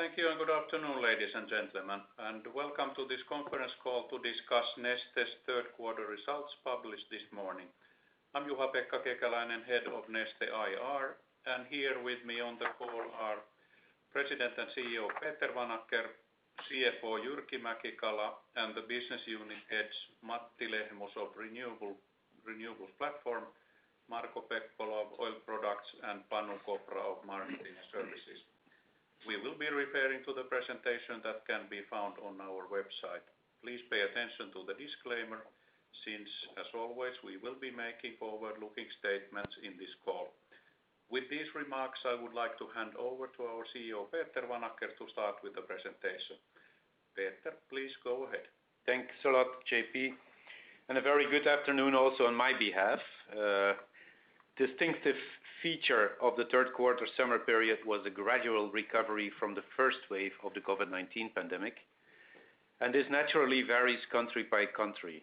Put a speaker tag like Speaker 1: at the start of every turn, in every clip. Speaker 1: Thank you and good afternoon, ladies and gentlemen, and welcome to this conference call to discuss Neste's third quarter results published this morning. I'm Juha-Pekka Kekäläinen, Head of Neste IR, and here with me on the call are President and CEO, Peter Vanacker, CFO, Jyrki Mäki-Kala, and the business unit heads, Matti Lehmus of Renewables Platform, Marko Pekkola of Oil Products, and Panu Kopra of Marketing & Services. We will be referring to the presentation that can be found on our website. Please pay attention to the disclaimer, since as always, we will be making forward-looking statements in this call. With these remarks, I would like to hand over to our CEO, Peter Vanacker, to start with the presentation. Peter, please go ahead.
Speaker 2: Thanks a lot, JP. A very good afternoon also on my behalf. A distinctive feature of the third quarter summer period was a gradual recovery from the first wave of the COVID-19 pandemic, and this naturally varies country by country.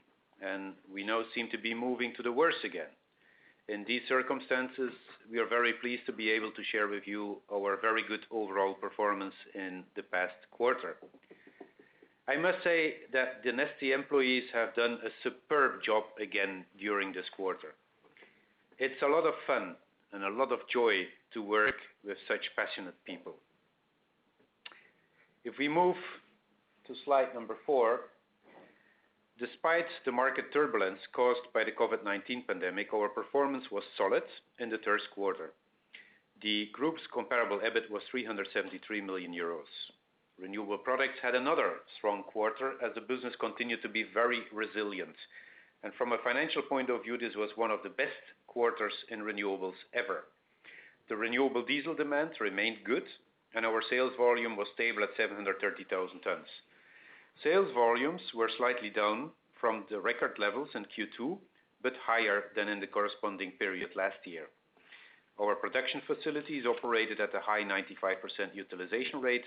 Speaker 2: We now seem to be moving to the worse again. In these circumstances, we are very pleased to be able to share with you our very good overall performance in the past quarter. I must say that the Neste employees have done a superb job again during this quarter. It's a lot of fun and a lot of joy to work with such passionate people. If we move to slide number four, despite the market turbulence caused by the COVID-19 pandemic, our performance was solid in the first quarter. The group's comparable EBIT was 373 million euros. Renewable products had another strong quarter as the business continued to be very resilient. From a financial point of view, this was one of the best quarters in renewables ever. The renewable diesel demand remained good, and our sales volume was stable at 730,000 tons. Sales volumes were slightly down from the record levels in Q2, but higher than in the corresponding period last year. Our production facilities operated at a high 95% utilization rate,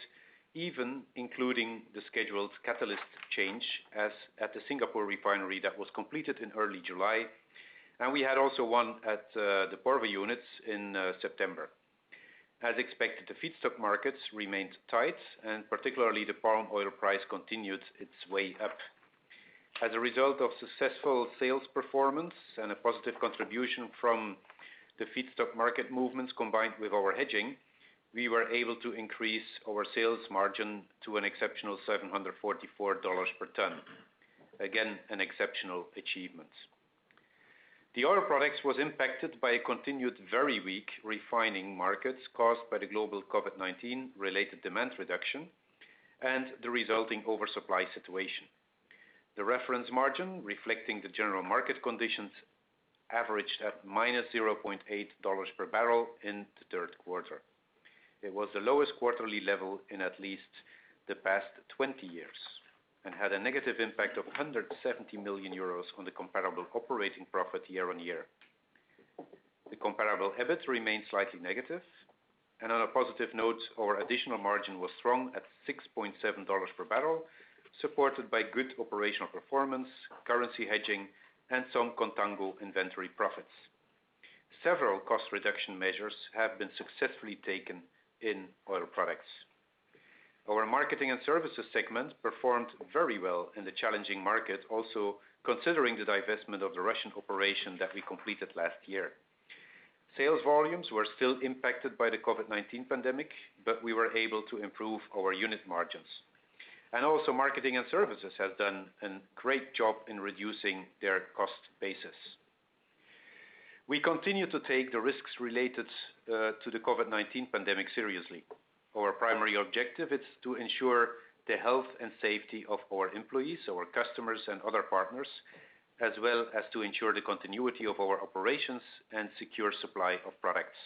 Speaker 2: even including the scheduled catalyst change at the Singapore refinery that was completed in early July, and we had also one at the Porvoo units in September. As expected, the feedstock markets remained tight, and particularly the palm oil price continued its way up. As a result of successful sales performance and a positive contribution from the feedstock market movements combined with our hedging, we were able to increase our sales margin to an exceptional $744 per ton. Again, an exceptional achievement. The other products was impacted by a continued very weak refining market caused by the global COVID-19 related demand reduction and the resulting oversupply situation. The reference margin, reflecting the general market conditions, averaged at -$0.8 per barrel in the third quarter. It was the lowest quarterly level in at least the past 20 years and had a negative impact of 170 million euros on the comparable operating profit year on year. The comparable EBIT remained slightly negative, and on a positive note, our additional margin was strong at EUR 6.7 per barrel, supported by good operational performance, currency hedging, and some contango inventory profits. Several cost reduction measures have been successfully taken in Oil Products. Our Marketing & Services segment performed very well in the challenging market, also considering the divestment of the Russian operation that we completed last year. Sales volumes were still impacted by the COVID-19 pandemic, but we were able to improve our unit margins. Marketing & Services has done a great job in reducing their cost basis. We continue to take the risks related to the COVID-19 pandemic seriously. Our primary objective is to ensure the health and safety of our employees, our customers, and other partners, as well as to ensure the continuity of our operations and secure supply of products.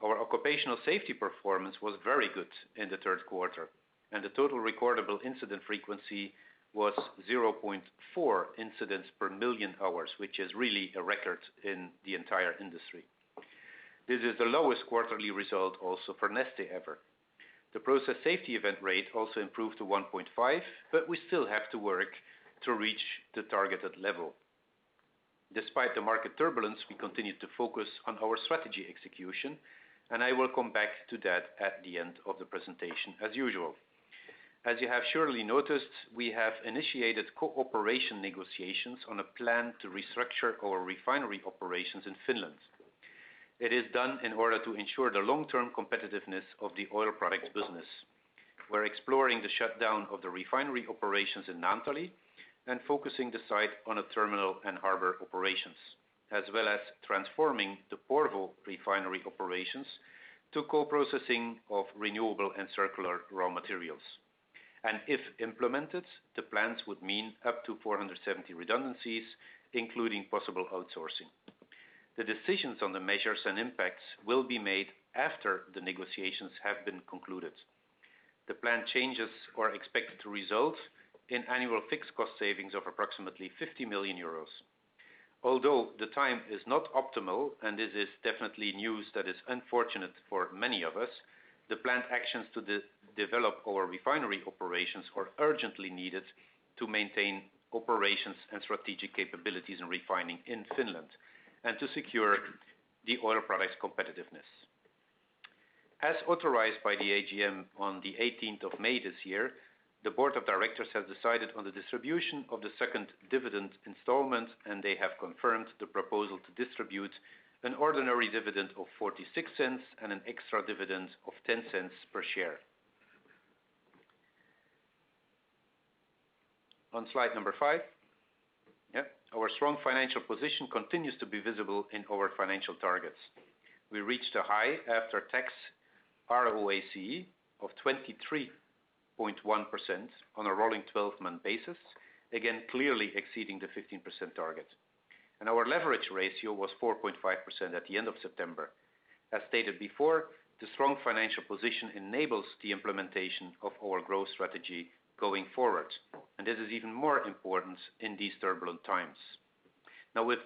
Speaker 2: Our occupational safety performance was very good in the third quarter, and the total recordable incident frequency was 0.4 incidents per million hours, which is really a record in the entire industry. This is the lowest quarterly result also for Neste ever. The process safety event rate also improved to 1.5, but we still have to work to reach the targeted level. Despite the market turbulence, we continue to focus on our strategy execution, and I will come back to that at the end of the presentation as usual. As you have surely noticed, we have initiated cooperation negotiations on a plan to restructure our refinery operations in Finland. It is done in order to ensure the long-term competitiveness of the Oil Products business. We're exploring the shutdown of the refinery operations in Naantali and focusing the site on a terminal and harbor operations, as well as transforming the Porvoo refinery operations to co-processing of renewable and circular raw materials. If implemented, the plans would mean up to 470 redundancies, including possible outsourcing. The decisions on the measures and impacts will be made after the negotiations have been concluded. The planned changes are expected to result in annual fixed cost savings of approximately 50 million euros. Although the time is not optimal, and this is definitely news that is unfortunate for many of us, the planned actions to develop our refinery operations are urgently needed to maintain operations and strategic capabilities in refining in Finland and to secure the Oil Products' competitiveness. As authorized by the AGM on the 18th of May this year, the board of directors has decided on the distribution of the second dividend installment, and they have confirmed the proposal to distribute an ordinary dividend of 0.46 and an extra dividend of 0.10 per share. On slide number five. Our strong financial position continues to be visible in our financial targets. We reached a high after-tax ROACE of 23.1% on a rolling 12-month basis, again, clearly exceeding the 15% target. Our leverage ratio was 4.5% at the end of September. As stated before, the strong financial position enables the implementation of our growth strategy going forward, and this is even more important in these turbulent times. Now, with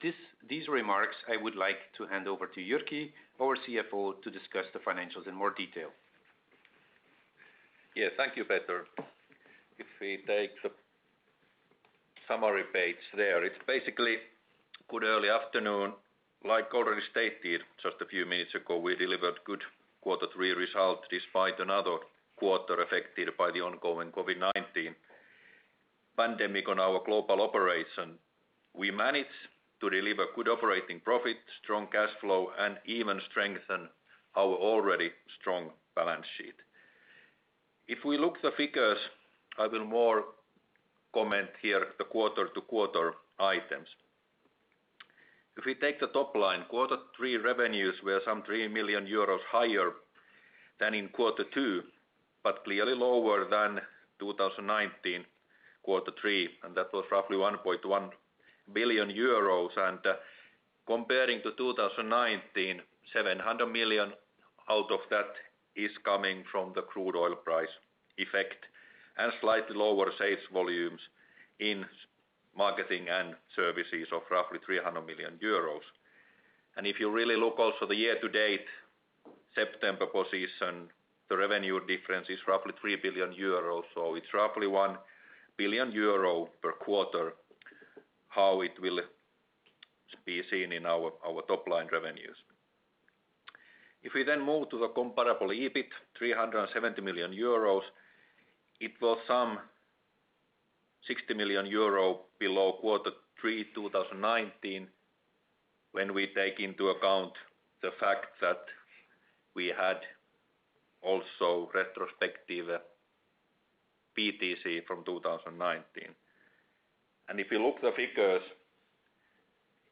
Speaker 2: these remarks, I would like to hand over to Jyrki, our CFO, to discuss the financials in more detail.
Speaker 3: Yes, thank you, Peter. If we take the summary page there, it is basically a good early afternoon. Like already stated just a few minutes ago, we delivered good quarter three results despite another quarter affected by the ongoing COVID-19 pandemic on our global operation. We managed to deliver good operating profit, strong cash flow, and even strengthen our already strong balance sheet. If we look at the figures, I will comment more here the quarter-to-quarter items. If we take the top line, quarter three revenues were some 3 million euros higher than in quarter two, but clearly lower than 2019, quarter three, and that was roughly 1.1 billion euros. Comparing to 2019, 700 million out of that is coming from the crude oil price effect and slightly lower sales volumes in Marketing & Services of roughly 300 million euros. The year-to-date September position, the revenue difference is roughly 3 billion euros. It is roughly 1 billion euro per quarter, how it will be seen in our top-line revenues. If we then move to the comparable EBIT, 370 million euros, it was some 60 million euro below Q3 2019, when we take into account the fact that we had also retrospective PTC from 2019. If you look at the figures,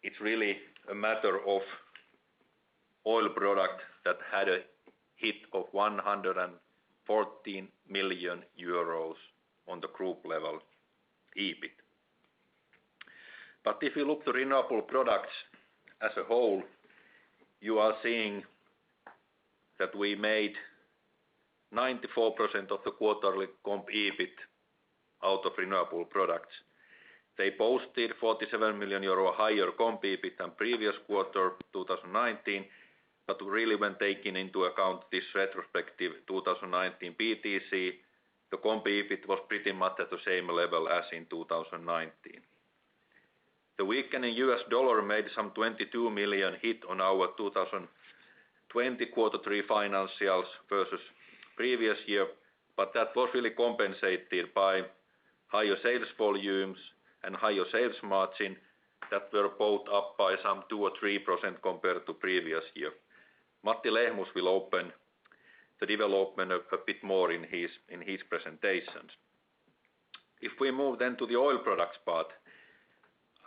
Speaker 3: it is really a matter of Oil Products that had a hit of 114 million euros on the group level EBIT. If you look to renewable products as a whole, you are seeing that we made 94% of the quarterly comp EBIT out of renewable products. They posted 47 million euro higher comp EBIT than previous quarter 2019. Really, when taking into account this retrospective 2019 BTC, the comp EBIT was pretty much at the same level as in 2019. The weakening US dollar made some 22 million hit on our 2020 quarter three financials versus the previous year, but that was really compensated by higher sales volumes and higher sales margin that were both up by some 2% or 3% compared to the previous year. Matti Lehmus will open the development a bit more in his presentations. If we move then to the Oil Products part,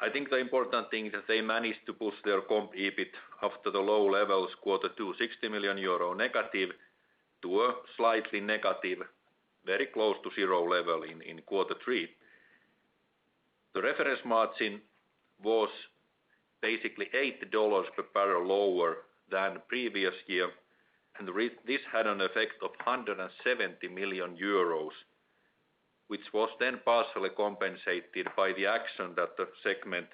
Speaker 3: I think the important thing is that they managed to push their comp EBIT after the low levels quarter two, -60 million euro, to a slightly negative, very close to zero level in quarter three. The reference margin was basically $8 per barrel lower than the previous year. This had an effect of 170 million euros, which was then partially compensated by the action that the segment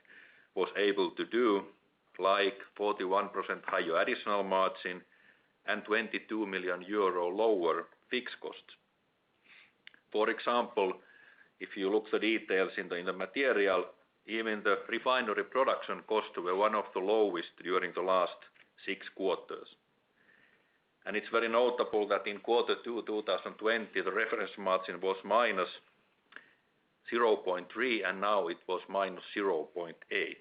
Speaker 3: was able to do, like 41% higher additional margin and 22 million euro lower fixed cost. For example, if you look at the details in the material, even the refinery production costs were one of the lowest during the last six quarters. It's very notable that in quarter two 2020, the reference margin was -0.3, and now it was -0.8.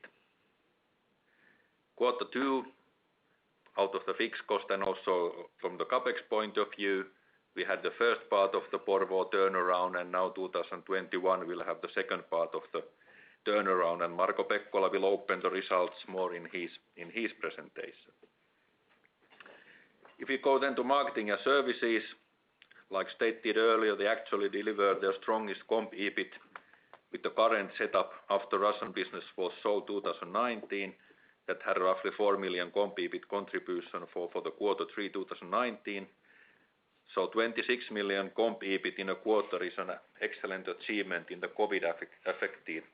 Speaker 3: Quarter two, out of the fixed cost and also from the CapEx point of view, we had the first part of the Porvoo turnaround, and now 2021, we'll have the second part of the turnaround, and Marko Pekkola will open the results more in his presentation. If you go to Marketing & Services, like stated earlier, they actually delivered their strongest comp EBIT with the current setup after the Russian business was sold in 2019. That had roughly 4 million comp EBIT contribution for the quarter three 2019. 26 million comp EBIT in a quarter is an excellent achievement in the COVID-19-affected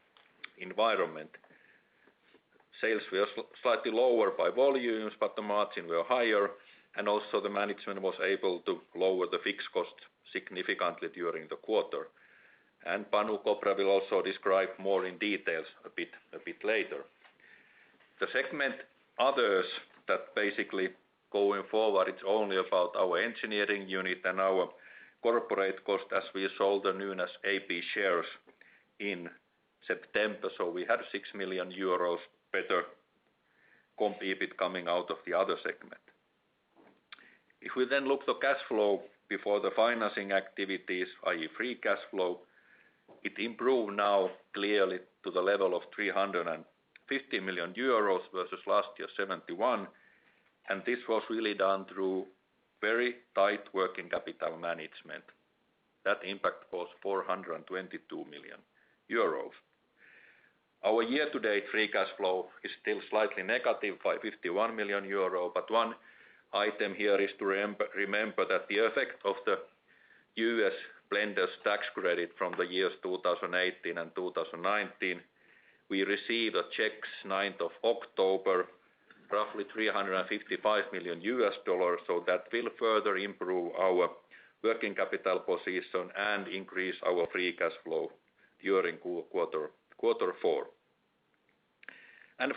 Speaker 3: environment. Sales were slightly lower by volumes, the margin were higher, the management was able to lower the fixed costs significantly during the quarter. Panu Kopra will also describe more in details a bit later. The segment others, that basically going forward, it's only about our engineering unit and our corporate cost as we sold the Nynas shares in September, so we had 6 million euros better comp EBIT coming out of the other segment. If we look the cash flow before the financing activities, i.e., free cash flow, it improved now clearly to the level of 350 million euros versus last year 71. This was really done through very tight working capital management. That impact was 422 million euro. Our year-to-date free cash flow is still slightly negative by 51 million euro, but one item here is to remember that the effect of the U.S. blender's tax credit from the years 2018 and 2019, we received checks 9th of October, roughly $355 million. That will further improve our working capital position and increase our free cash flow during Q4.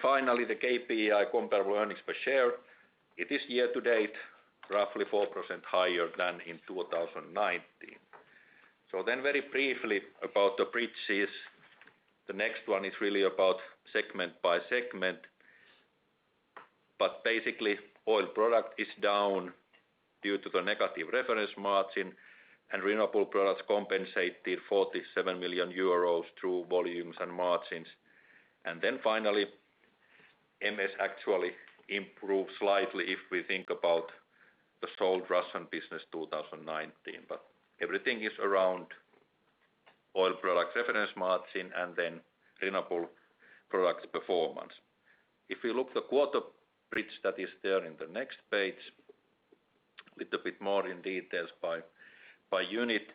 Speaker 3: Finally, the KPI comparable earnings per share. It is year-to-date, roughly 4% higher than in 2019. Very briefly about the bridges. The next one is really about segment by segment, but basically Oil Products is down due to the negative reference margin and renewable products compensated 47 million euros through volumes and margins. Finally, MS actually improved slightly if we think about the sold Russian business 2019, but everything is around Oil Products reference margin, and then renewable products performance. If you look the quarter bridge that is there in the next page, little bit more in details by unit.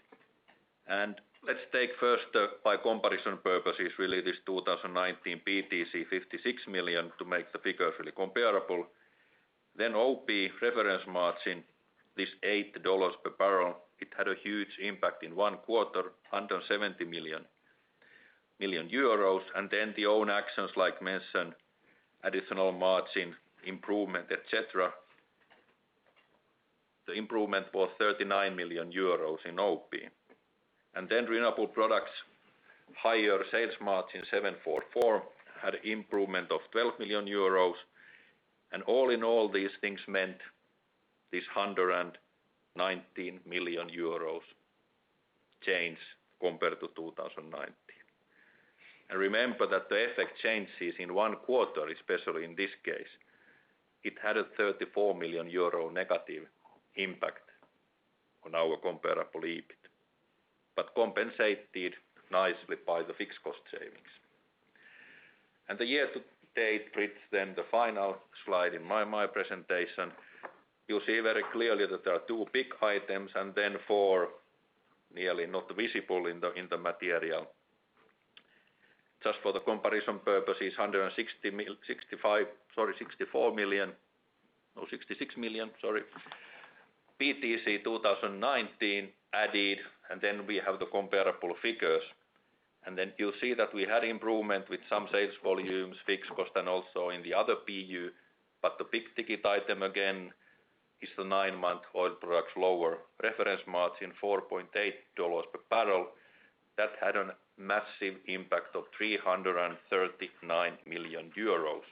Speaker 3: Let's take first by comparison purposes, really this 2019 PTC 56 million to make the figures really comparable. OP reference margin, this EUR 8 per barrel, it had a huge impact in one quarter, under 70 million. The own actions like mentioned, additional margin improvement, et cetera. The improvement was 39 million euros in OP. Renewable products, higher sales margin $744 had improvement of 12 million euros. All in all these things meant this 119 million euros change compared to 2019. Remember that the effect changes in one quarter, especially in this case, it had a 34 million euro negative impact on our comparable EBIT, but compensated nicely by the fixed cost savings. The year-to-date bridge then the final slide in my presentation, you'll see very clearly that there are two big items and then four nearly not visible in the material. Just for the comparison purposes, EUR 66 million, sorry, PTC 2019 added. We have the comparable figures. You'll see that we had improvement with some sales volumes, fixed cost, and also in the other PU, but the big-ticket item again is the nine-month Oil Products lower reference margin $4.8 per barrel. That had a massive impact of 339 million euros.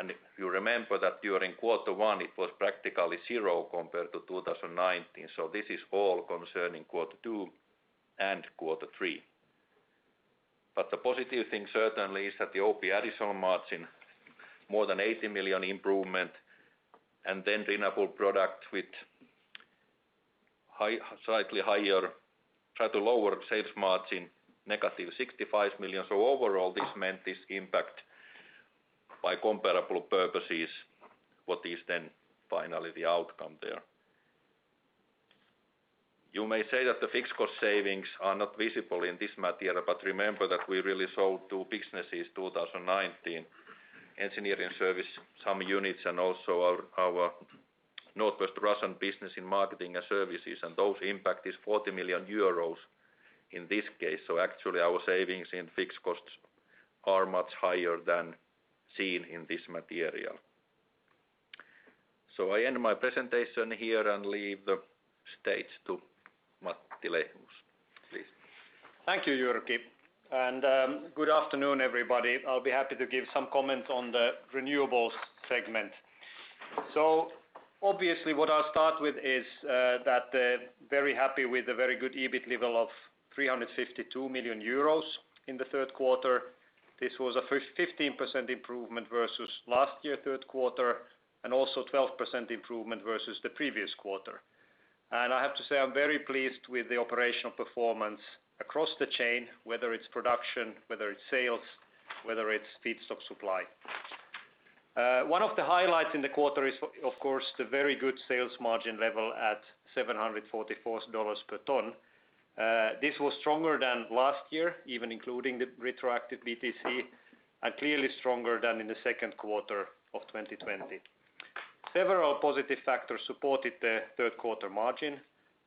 Speaker 3: If you remember that during quarter one, it was practically zero compared to 2019. This is all concerning quarter two and quarter three. The positive thing certainly is that the OP additional margin, more than 80 million improvement, and then renewable product with slightly lower sales margin, -65 million. Overall, this meant this impact by comparable purposes, what is then finally the outcome there. You may say that the fixed cost savings are not visible in this material, but remember that we really sold two businesses in 2019, engineering service, some units, and also our Northwest Russian business in Marketing & Services. Those impact is 40 million euros in this case. Actually, our savings in fixed costs are much higher than seen in this material. I end my presentation here and leave the stage to Matti Lehmus, please.
Speaker 4: Thank you, Jyrki. Good afternoon, everybody. I'll be happy to give some comment on the Renewables segment. Obviously what I'll start with is that very happy with the very good EBIT level of 352 million euros in the third quarter. This was a 15% improvement versus last year third quarter, and also 12% improvement versus the previous quarter. I have to say I'm very pleased with the operational performance across the chain, whether it's production, whether it's sales, whether it's feedstock supply. One of the highlights in the quarter is of course the very good sales margin level at $744 per ton. This was stronger than last year, even including the retroactive BTC, and clearly stronger than in the second quarter of 2020. Several positive factors supported the third quarter margin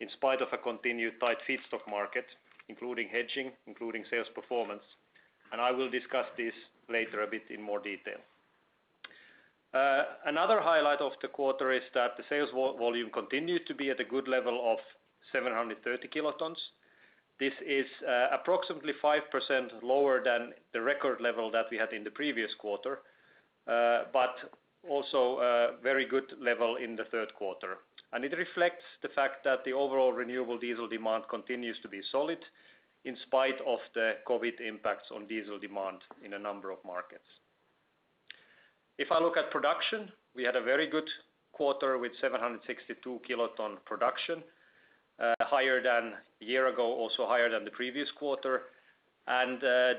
Speaker 4: in spite of a continued tight feedstock market, including hedging, including sales performance, I will discuss this later a bit in more detail. Another highlight of the quarter is that the sales volume continued to be at a good level of 730 kT. This is approximately 5% lower than the record level that we had in the previous quarter, but also a very good level in the third quarter. It reflects the fact that the overall renewable diesel demand continues to be solid in spite of the COVID impacts on diesel demand in a number of markets. If I look at production, we had a very good quarter with 762 kT production, higher than a year ago, also higher than the previous quarter.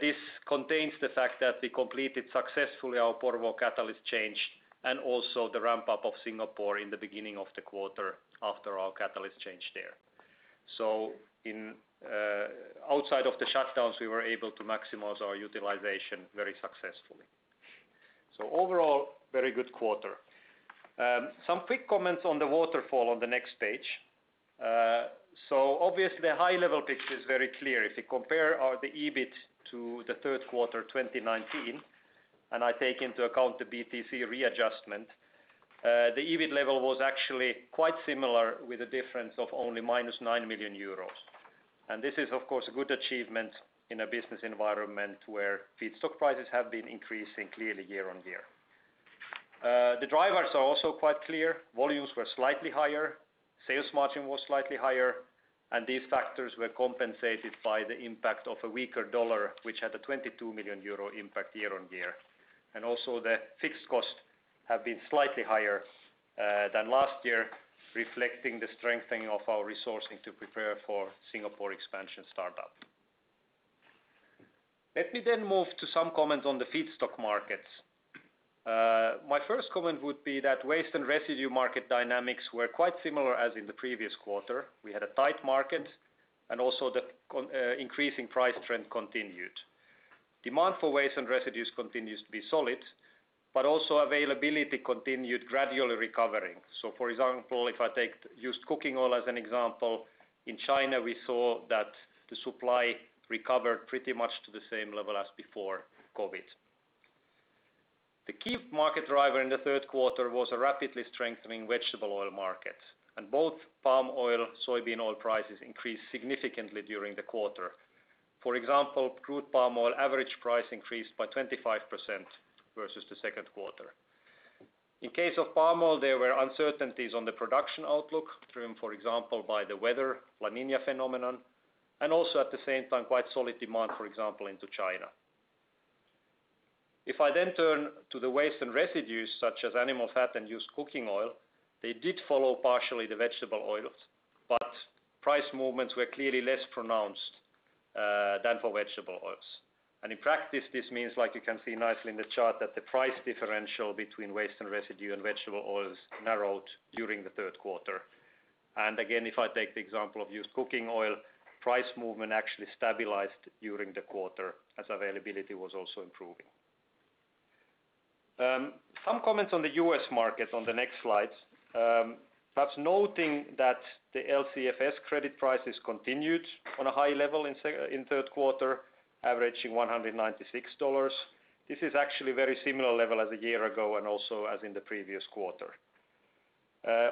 Speaker 4: This contains the fact that we completed successfully our Porvoo catalyst change and also the ramp-up of Singapore in the beginning of the quarter after our catalyst change there. Outside of the shutdowns, we were able to maximize our utilization very successfully. Overall, very good quarter. Some quick comments on the waterfall on the next page. Obviously, the high-level picture is very clear. If you compare the EBIT to the third quarter 2019, I take into account the BTC readjustment, the EBIT level was actually quite similar with a difference of only -9 million euros. This is of course a good achievement in a business environment where feedstock prices have been increasing clearly year-on-year. The drivers are also quite clear. Volumes were slightly higher, sales margin was slightly higher, and these factors were compensated by the impact of a weaker dollar, which had a 22 million euro impact year-on-year. Also the fixed costs have been slightly higher than last year, reflecting the strengthening of our resourcing to prepare for Singapore expansion startup. Let me move to some comments on the feedstock markets. My first comment would be that waste and residue market dynamics were quite similar as in the previous quarter. We had a tight market and also the increasing price trend continued. Demand for waste and residues continues to be solid, but also availability continued gradually recovering. For example, if I take used cooking oil as an example, in China, we saw that the supply recovered pretty much to the same level as before COVID. The key market driver in the third quarter was a rapidly strengthening vegetable oil market. Both palm oil, soybean oil prices increased significantly during the quarter. For example, crude palm oil average price increased by 25% versus the second quarter. In case of palm oil, there were uncertainties on the production outlook, driven, for example, by the weather, La Niña phenomenon, and also at the same time, quite solid demand, for example, into China. If I then turn to the waste and residues such as animal fat and used cooking oil, they did follow partially the vegetable oils. Price movements were clearly less pronounced than for vegetable oils. In practice, this means like you can see nicely in the chart, that the price differential between waste and residue and vegetable oils narrowed during the third quarter. Again, if I take the example of used cooking oil, price movement actually stabilized during the quarter as availability was also improving. Some comments on the U.S. market on the next slides, perhaps noting that the LCFS credit prices continued on a high level in third quarter, averaging $196. This is actually very similar level as a year ago, also as in the previous quarter.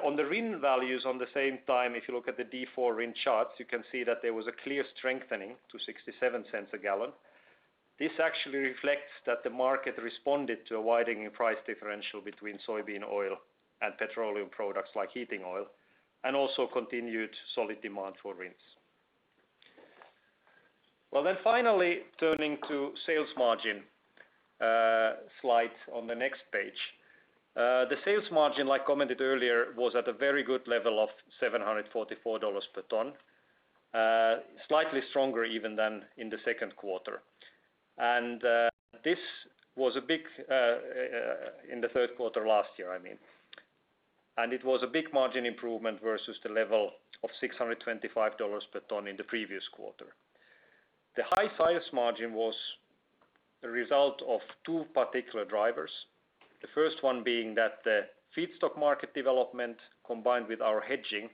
Speaker 4: On the RIN values on the same time, if you look at the D4 RIN charts, you can see that there was a clear strengthening to $0.67 a gallon. This actually reflects that the market responded to a widening price differential between soybean oil and petroleum products like heating oil, also continued solid demand for RINs. Finally, turning to sales margin slides on the next page. The sales margin, like commented earlier, was at a very good level of $744 per ton. Slightly stronger even than in the second quarter. In the third quarter last year, I mean, it was a big margin improvement versus the level of $625 per ton in the previous quarter. The high sales margin was a result of two particular drivers. The first one being that the feedstock market development, combined with our hedging,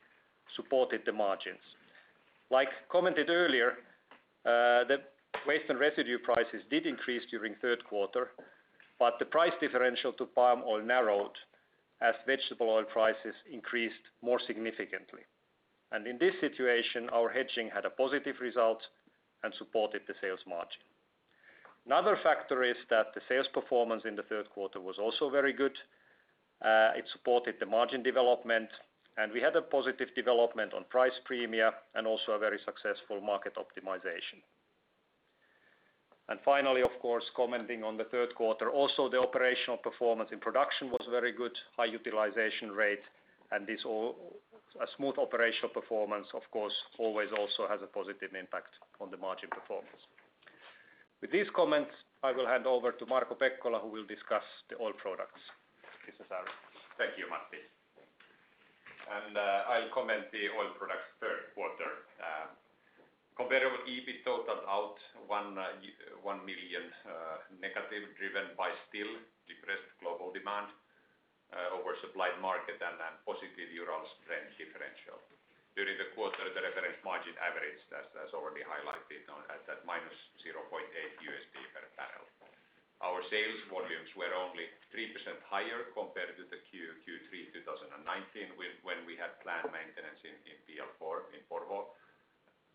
Speaker 4: supported the margins. Like commented earlier, the waste and residue prices did increase during third quarter, but the price differential to palm oil narrowed as vegetable oil prices increased more significantly. In this situation, our hedging had a positive result and supported the sales margin. Another factor is that the sales performance in the third quarter was also very good. It supported the margin development, and we had a positive development on price premia and also a very successful market optimization. Finally, of course, commenting on the third quarter, also the operational performance in production was very good, high utilization rate, and a smooth operational performance, of course, always also has a positive impact on the margin performance. With these comments, I will hand over to Marko Pekkola, who will discuss the Oil Products.
Speaker 5: Thank you, Matti. I'll comment the Oil Products third quarter. Comparable EBIT totaled out -1 million, driven by still depressed global demand, oversupplied market, and a positive Urals-Brent differential. During the quarter, the reference margin averaged, as already highlighted, at minus $0.8 per barrel. Our sales volumes were only 3% higher compared to the Q3 2019, when we had planned maintenance in PL4, in Porvoo,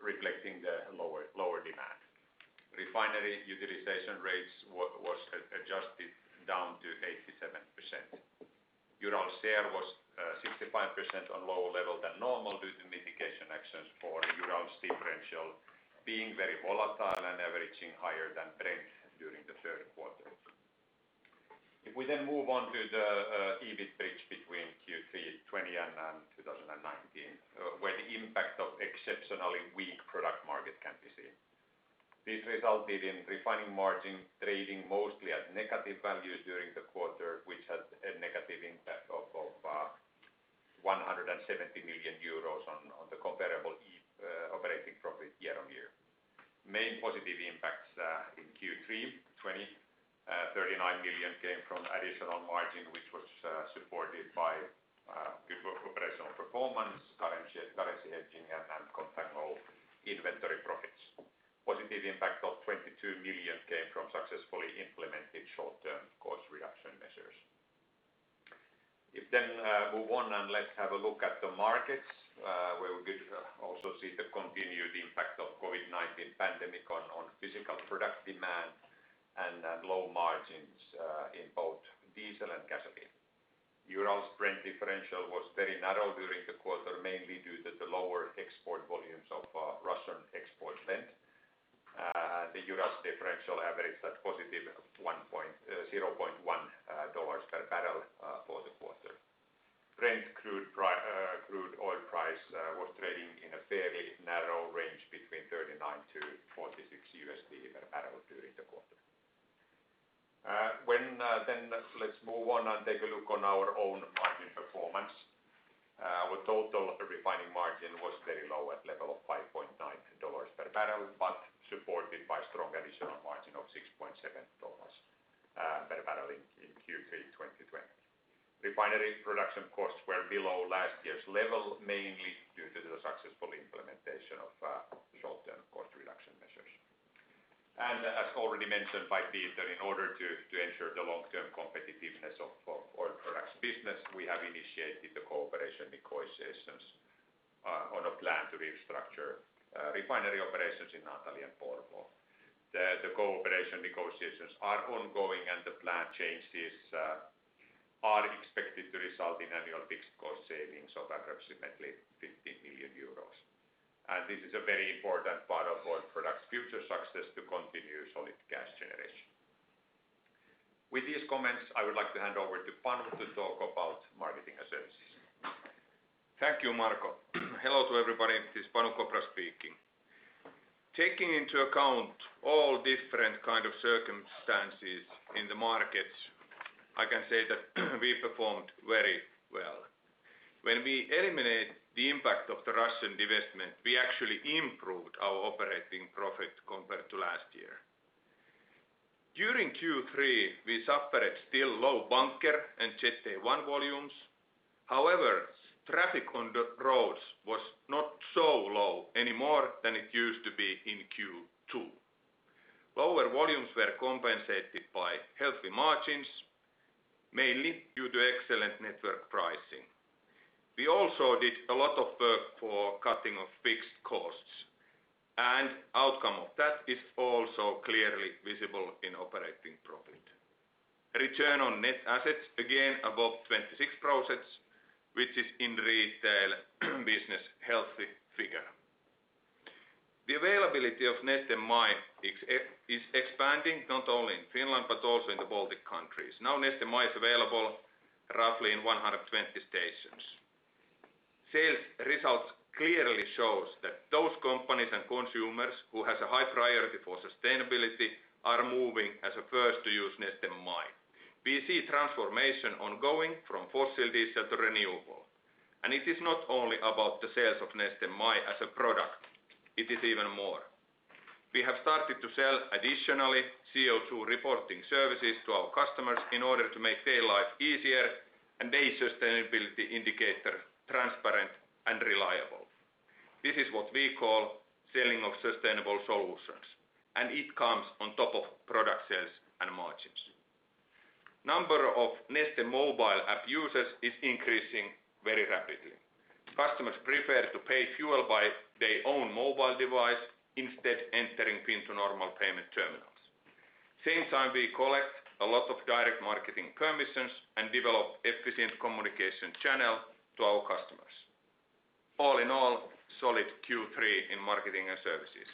Speaker 5: reflecting the lower demand. Refinery utilization rates was adjusted down to 87%. Urals share was 65% on lower level than normal due to mitigation actions for Urals differential being very volatile and averaging higher than Brent during the third quarter. We then move on to the EBIT bridge between Q3 2020 and 2019, where the impact of exceptionally weak product market can be seen. This resulted in refining margin trading mostly at negative values during the quarter, which has a negative impact of 170 million euros on the comparable operating profit year-on-year. Main positive impacts in Q3 2020, 39 million came from additional margin, which was supported by good operational performance, currency hedging, and contango inventory profits. Positive impact of 22 million came from successfully implemented short-term cost reduction measures. Let's have a look at the markets, where we could also see the continued impact of COVID-19 pandemic on physical product demand and low margins in both diesel and gasoline. Urals-Brent differential was very narrow during the quarter, mainly due to the lower export volumes of Russian export blend. The Urals differential averaged at +$0.1 per barrel for the quarter. Brent crude oil price was trading in a fairly narrow range between $39-$46 per barrel during the quarter. Let's move on and take a look on our own margin performance. Our total refining margin was very low at level of $5.9 per barrel, Supported by strong additional margin of $6.7 per barrel in Q3 2020. Refinery production costs were below last year's level, mainly due to the successful implementation of short-term cost reduction measures. As already mentioned by Peter, in order to ensure the long-term competitiveness of Oil Products business, we have initiated the cooperation negotiations on a plan to restructure refinery operations in Naantali and Porvoo. The cooperation negotiations are ongoing, The planned changes are expected to result in annual fixed cost savings of approximately 50 million euros. This is a very important part of Oil Products' future success to continue solid cash generation. With these comments, I would like to hand over to Panu to talk about Marketing & Services.
Speaker 6: Thank you, Marko. Hello to everybody. This is Panu Kopra speaking. Taking into account all different kind of circumstances in the markets, I can say that we performed very well. When we eliminate the impact of the Russian divestment, we actually improved our operating profit compared to last year. During Q3, we suffered still low bunker and Jet A-1 volumes. Traffic on the roads was not so low anymore than it used to be in Q2. Lower volumes were compensated by healthy margins, mainly due to excellent network pricing. We also did a lot of work for cutting of fixed costs. Outcome of that is also clearly visible in operating profit. Return on net assets, again, above 26%, which is in retail business healthy figure. The availability of Neste MY is expanding, not only in Finland but also in the Baltic countries. Now Neste MY is available roughly in 120 stations. Sales results clearly shows that those companies and consumers who has a high priority for sustainability are moving as a first to use Neste MY. We see transformation ongoing from fossil diesel to renewable. It is not only about the sales of Neste MY as a product, it is even more. We have started to sell additionally CO2 reporting services to our customers in order to make their life easier and their sustainability indicator transparent and reliable. This is what we call selling of sustainable solutions, and it comes on top of product sales and margins. Number of Neste mobile app users is increasing very rapidly. Customers prefer to pay fuel by their own mobile device instead entering PIN to normal payment terminals. Same time, we collect a lot of direct marketing permissions and develop efficient communication channel to our customers. All in all, solid Q3 in Marketing & Services.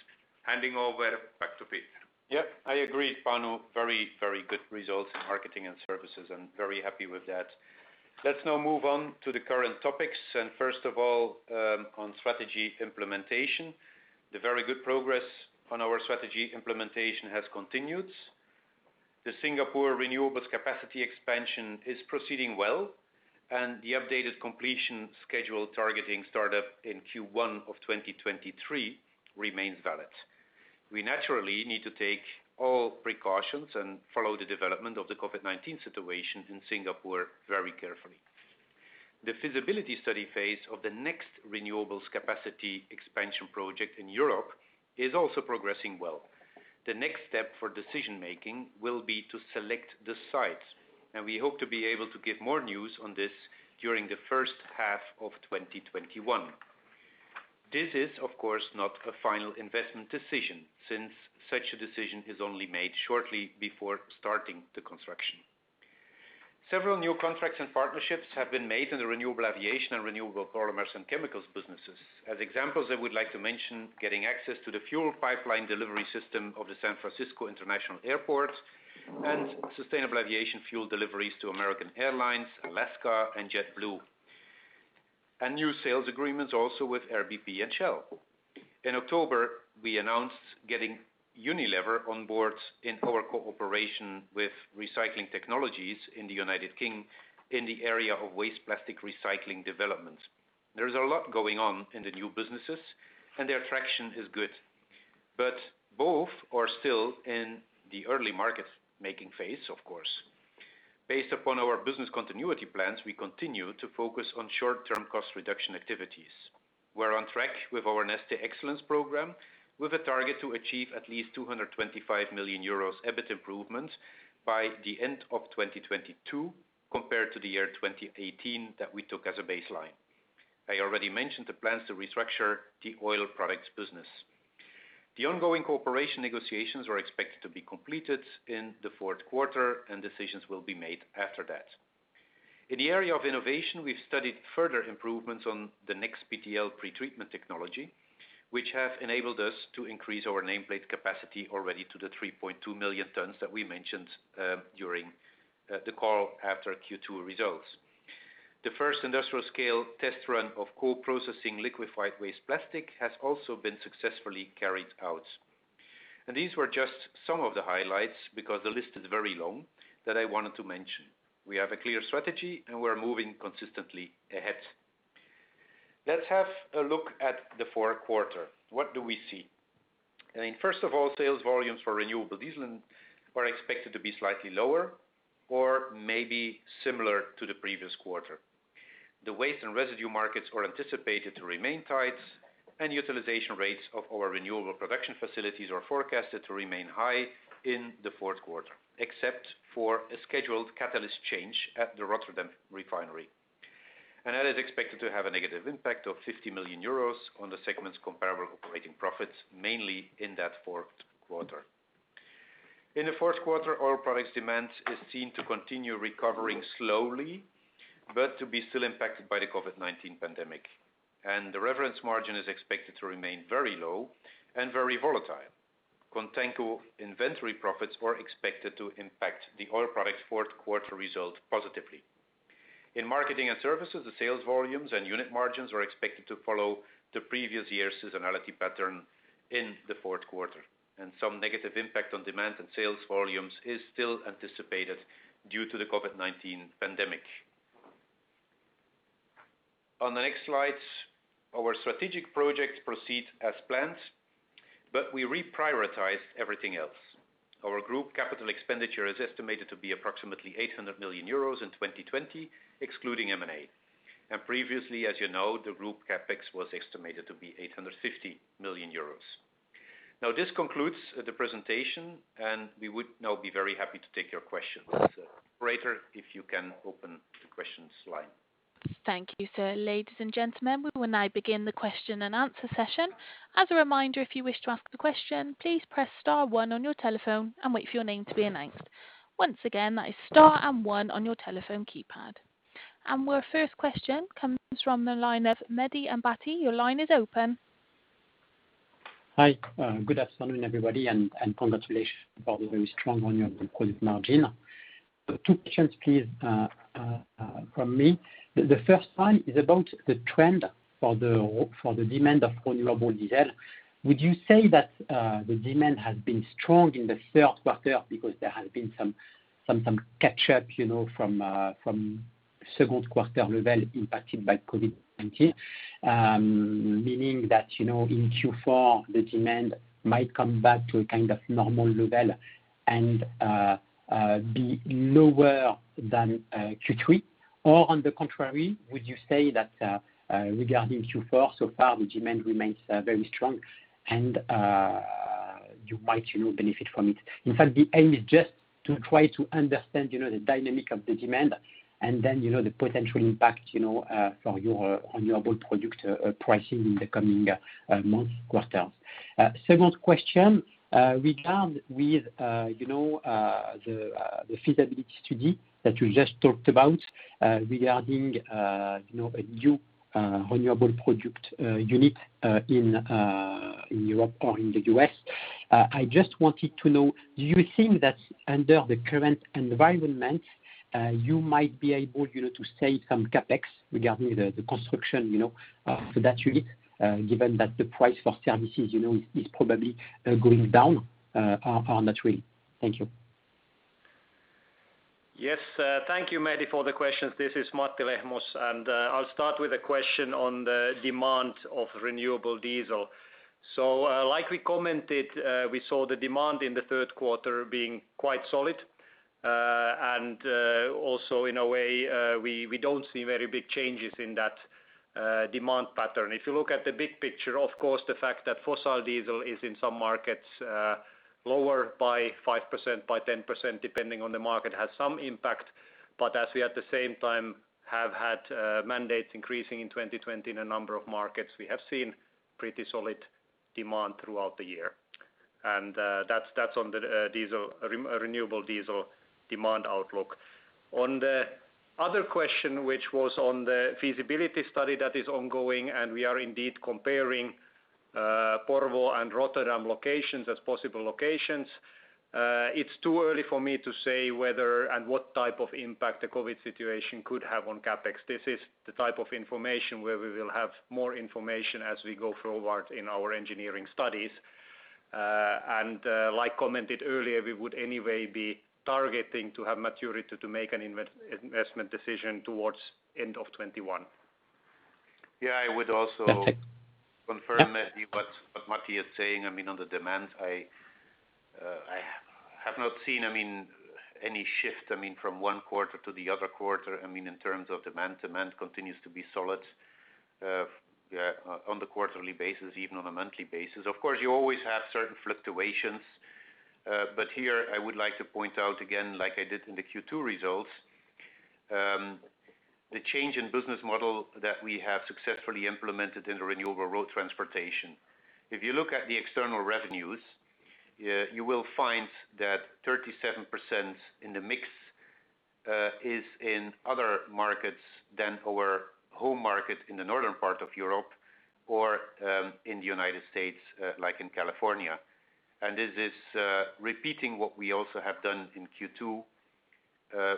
Speaker 6: Handing over back to Peter.
Speaker 2: Yeah, I agree, Panu. Very good results in Marketing & Services. I'm very happy with that. Let's now move on to the current topics, first of all, on strategy implementation. The very good progress on our strategy implementation has continued. The Singapore renewables capacity expansion is proceeding well, and the updated completion schedule targeting startup in Q1 of 2023 remains valid. We naturally need to take all precautions and follow the development of the COVID-19 situation in Singapore very carefully. The feasibility study phase of the next renewables capacity expansion project in Europe is also progressing well. The next step for decision making will be to select the sites, and we hope to be able to give more news on this during the first half of 2021. This is, of course, not a final investment decision, since such a decision is only made shortly before starting the construction. Several new contracts and partnerships have been made in the Renewable Aviation and Renewable Polymers & Chemicals businesses. As examples, I would like to mention getting access to the fuel pipeline delivery system of the San Francisco International Airport and sustainable aviation fuel deliveries to American Airlines, Alaska, and JetBlue. New sales agreements also with Air bp and Shell. In October, we announced getting Unilever on board in our cooperation with Recycling Technologies in the U.K. in the area of waste plastic recycling developments. There is a lot going on in the new businesses, and their traction is good. Both are still in the early market-making phase, of course. Based upon our business continuity plans, we continue to focus on short-term cost reduction activities. We're on track with our Neste Excellence program, with a target to achieve at least 225 million euros EBIT improvement by the end of 2022 compared to the year 2018 that we took as a baseline. I already mentioned the plans to restructure the Oil Products business. The ongoing cooperation negotiations are expected to be completed in the fourth quarter, and decisions will be made after that. In the area of innovation, we've studied further improvements on the NEXBTL pretreatment technology, which has enabled us to increase our nameplate capacity already to the 3.2 million tons that we mentioned during the call after Q2 results. The first industrial-scale test run of co-processing liquefied waste plastic has also been successfully carried out. These were just some of the highlights, because the list is very long, that I wanted to mention. We have a clear strategy, and we're moving consistently ahead. Let's have a look at the fourth quarter. What do we see? I mean, first of all, sales volumes for renewable diesel are expected to be slightly lower or maybe similar to the previous quarter. The waste and residue markets are anticipated to remain tight. Utilization rates of our renewable production facilities are forecasted to remain high in the fourth quarter, except for a scheduled catalyst change at the Rotterdam refinery. That is expected to have a negative impact of 50 million euros on the segment's comparable operating profits, mainly in that fourth quarter. In the fourth quarter, Oil Products demand is seen to continue recovering slowly, but to be still impacted by the COVID-19 pandemic. The reference margin is expected to remain very low and very volatile. Contango inventory profits are expected to impact the Oil Products' fourth quarter result positively. In Marketing & Services, the sales volumes and unit margins are expected to follow the previous year's seasonality pattern in the fourth quarter, and some negative impact on demand and sales volumes is still anticipated due to the COVID-19 pandemic. On the next slides, our strategic projects proceed as planned, but we reprioritized everything else. Our group capital expenditure is estimated to be approximately 800 million euros in 2020, excluding M&A. Previously, as you know, the group CapEx was estimated to be 850 million euros. This concludes the presentation, and we would now be very happy to take your questions. Operator, if you can open the questions line.
Speaker 7: Thank you, sir. Ladies and gentlemen, we will now begin the question-and-answer session. As a reminder, if you wish to ask a question, please press star one on your telephone and wait for your name to be announced. Once again, that is star and one on your telephone keypad. Our first question comes from the line of Mehdi Ennebati. Your line is open.
Speaker 8: Hi. Good afternoon, everybody, and congratulations for the very strong on your margin. Two questions please, from me. The first one is about the trend for the demand of renewable diesel. Would you say that the demand has been strong in the third quarter because there has been some catch up, from second quarter level impacted by COVID-19? Meaning that, in Q4, the demand might come back to a kind of normal level and be lower than Q3. On the contrary, would you say that, regarding Q4, so far, the demand remains very strong, and you might benefit from it. In fact, the aim is just to try to understand the dynamic of the demand and then the potential impact on your renewable product pricing in the coming months, quarters. Second question, regarding with the feasibility study that you just talked about, regarding a new renewable product unit in Europe or in the U.S. I just wanted to know, do you think that under the current environment, you might be able to save some CapEx regarding the construction for that unit, given that the price for services is probably going down on that way. Thank you.
Speaker 4: Thank you, Mehdi, for the questions. This is Matti Lehmus. I'll start with the question on the demand of renewable diesel. Like we commented, we saw the demand in the third quarter being quite solid. Also, in a way, we don't see very big changes in that demand pattern. If you look at the big picture, of course, the fact that fossil diesel is in some markets, lower by 5%, by 10%, depending on the market, has some impact. As we at the same time have had mandates increasing in 2020 in a number of markets, we have seen pretty solid demand throughout the year. That's on the renewable diesel demand outlook. On the other question, which was on the feasibility study that is ongoing, we are indeed comparing Porvoo and Rotterdam locations as possible locations. It's too early for me to say whether and what type of impact the COVID situation could have on CapEx. This is the type of information where we will have more information as we go forward in our engineering studies. Like commented earlier, we would anyway be targeting to have maturity to make an investment decision towards end of 2021.
Speaker 2: Yeah, I would also confirm, Mehdi, what Matti is saying. On the demand, I have not seen any shift from one quarter to the other quarter, in terms of demand. Demand continues to be solid on the quarterly basis, even on a monthly basis. Of course, you always have certain fluctuations. Here I would like to point out again, like I did in the Q2 results, the change in business model that we have successfully implemented in the Renewable Road Transportation. If you look at the external revenues, you will find that 37% in the mix is in other markets than our home market in the northern part of Europe or in the U.S., like in California. This is repeating what we also have done in Q2,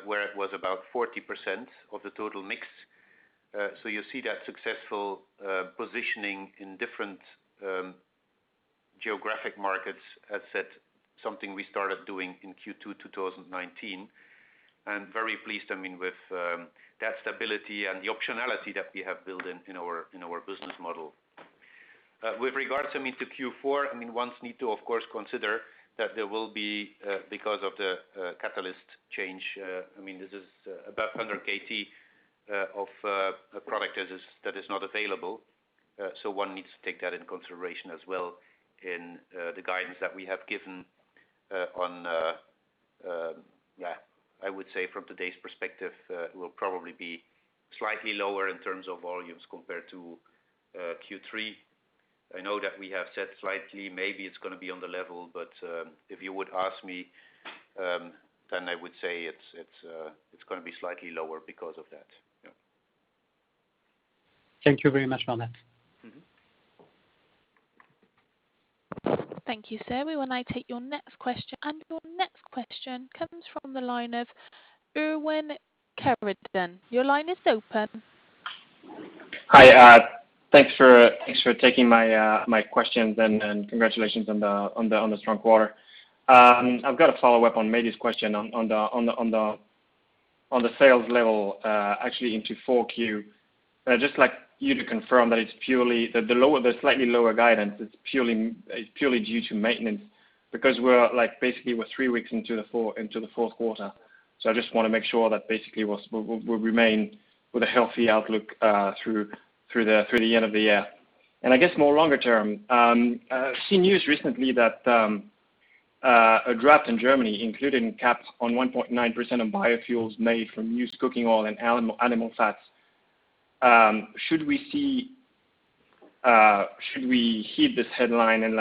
Speaker 2: where it was about 40% of the total mix. You see that successful positioning in different geographic markets as something we started doing in Q2 2019. We are very pleased with that stability and the optionality that we have built in our business model. With regards to Q4, one needs to, of course, consider that there will be, because of the catalyst change, this is about 100 KT of product that is not available. One needs to take that into consideration as well in the guidance that we have given. I would say from today's perspective, it will probably be slightly lower in terms of volumes compared to Q3. I know that we have said slightly, maybe it's going to be on the level, but if you would ask me, I would say it's going to be slightly lower because of that. Yeah.
Speaker 8: Thank you very much on that.
Speaker 7: Thank you, sir. We will now take your next question. Your next question comes from the line of Erwin Kerouredan. Your line is open.
Speaker 9: Hi. Thanks for taking my questions and congratulations on the strong quarter. I've got a follow-up on Mehdi's question on the sales level, actually into 4Q. Just like you to confirm that the slightly lower guidance is purely due to maintenance, because we're three weeks into the fourth quarter. I just want to make sure that we'll remain with a healthy outlook through the end of the year. I guess more longer term, I've seen news recently that a draft in Germany included caps on 1.9% of biofuels made from used cooking oil and animal fats. Should we heed this headline and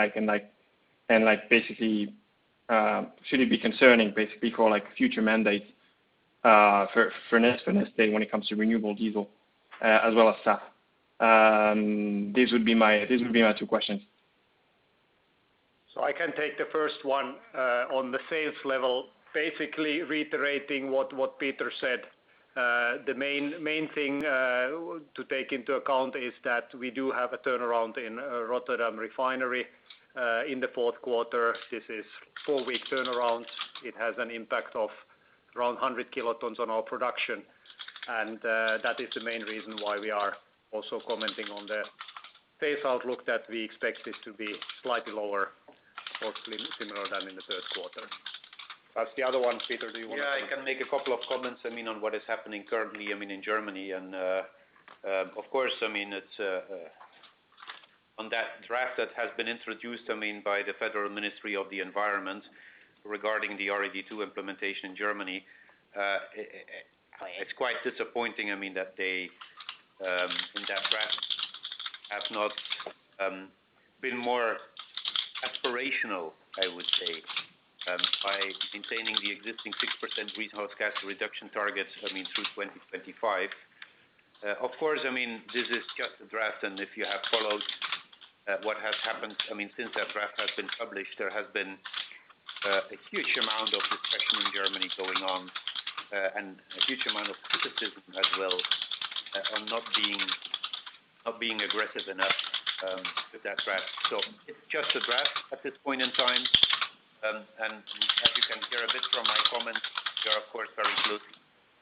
Speaker 9: should it be concerning for future mandates for Neste when it comes to renewable diesel as well as SAF? These would be my two questions.
Speaker 4: I can take the first one. On the sales level, basically reiterating what Peter said. The main thing to take into account is that we do have a turnaround in Rotterdam refinery, in the fourth quarter. This is four-week turnaround. It has an impact of around 100 kT on our production, and that is the main reason why we are also commenting on the sales outlook that we expect this to be slightly lower or similar than in the third quarter. As the other one, Peter, do you want to?
Speaker 2: Yeah, I can make a couple of comments on what is happening currently in Germany. Of course, on that draft that has been introduced by the Federal Ministry of the Environment regarding the RED II implementation in Germany, it's quite disappointing, that they, in that draft, have not been more aspirational, I would say, by maintaining the existing 6% greenhouse gas reduction targets through 2025. Of course, this is just a draft. If you have followed what has happened since that draft has been published, there has been a huge amount of discussion in Germany going on, and a huge amount of criticism as well on not being aggressive enough with that draft. It's just a draft at this point in time. As you can hear a bit from my comments, we are of course very pleased with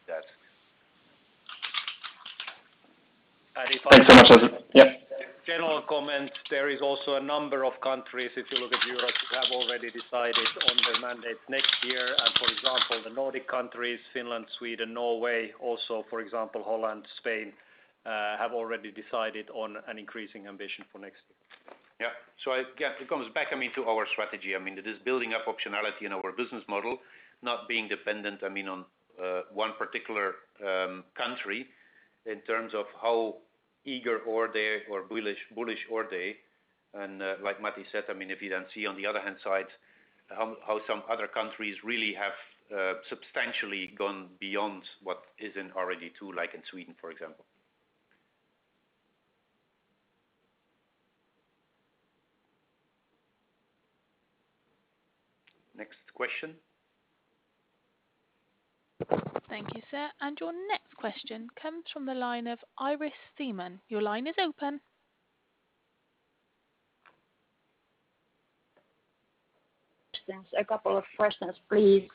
Speaker 2: that.
Speaker 9: Thanks so much. Yeah.
Speaker 4: General comment, there is also a number of countries, if you look at Europe, that have already decided on their mandates next year. For example, the Nordic countries, Finland, Sweden, Norway, also, for example, Holland, Spain, have already decided on an increasing ambition for next year.
Speaker 2: Yeah. It comes back to our strategy. It is building up optionality in our business model, not being dependent on one particular country in terms of how eager or bullish are they, and like Matti said, if you then see on the other hand side how some other countries really have substantially gone beyond what is in already too, like in Sweden, for example. Next question.
Speaker 7: Thank you, sir. Your next question comes from the line of Iiris Theman. Your line is open.
Speaker 10: A couple of questions, please.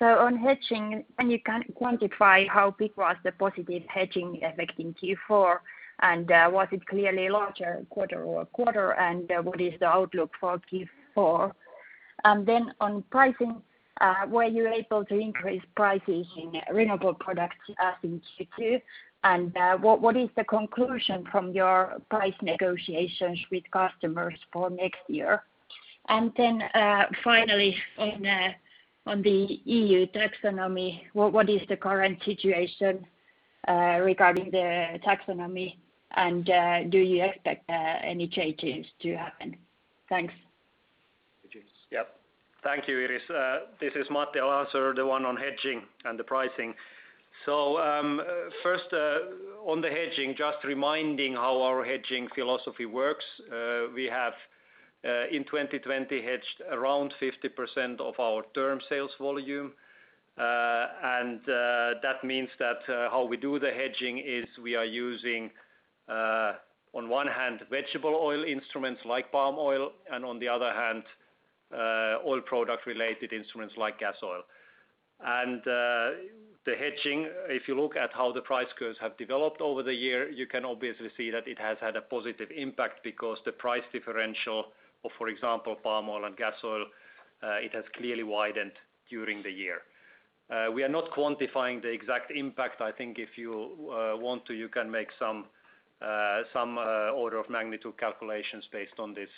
Speaker 10: On hedging, can you quantify how big was the positive hedging effect in Q4, and was it clearly larger quarter-over-quarter, and what is the outlook for Q4? On pricing, were you able to increase pricing in renewable products as in Q2? What is the conclusion from your price negotiations with customers for next year? Finally on the EU taxonomy, what is the current situation regarding the taxonomy, and do you expect any changes to happen? Thanks.
Speaker 4: Yeah. Thank you, Iiris. This is Matti. I'll answer the one on hedging and the pricing. First on the hedging, just reminding how our hedging philosophy works. We have, in 2020, hedged around 50% of our term sales volume. That means that how we do the hedging is we are using, on one hand, vegetable oil instruments like palm oil, and on the other hand, oil product related instruments like gas oil. The hedging, if you look at how the price curves have developed over the year, you can obviously see that it has had a positive impact because the price differential of, for example, palm oil and gas oil, it has clearly widened during the year. We are not quantifying the exact impact. I think if you want to, you can make some order of magnitude calculations based on this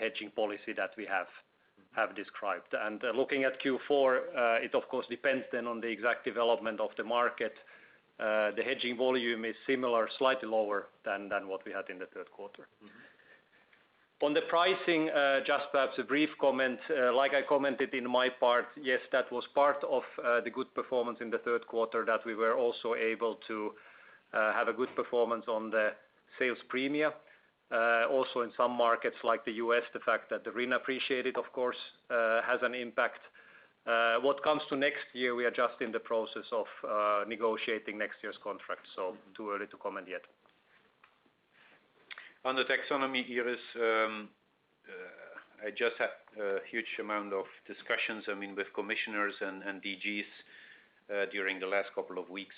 Speaker 4: hedging policy that we have described. Looking at Q4, it of course depends then on the exact development of the market. The hedging volume is similar, slightly lower than what we had in the third quarter. On the pricing, just perhaps a brief comment. Like I commented in my part, yes, that was part of the good performance in the third quarter that we were also able to have a good performance on the sales premia. Also in some markets like the U.S., the fact that the RIN appreciated, of course, has an impact. What comes to next year, we are just in the process of negotiating next year's contract, so too early to comment yet.
Speaker 2: On the taxonomy, Iiris, I just had a huge amount of discussions with commissioners and DGs during the last couple of weeks.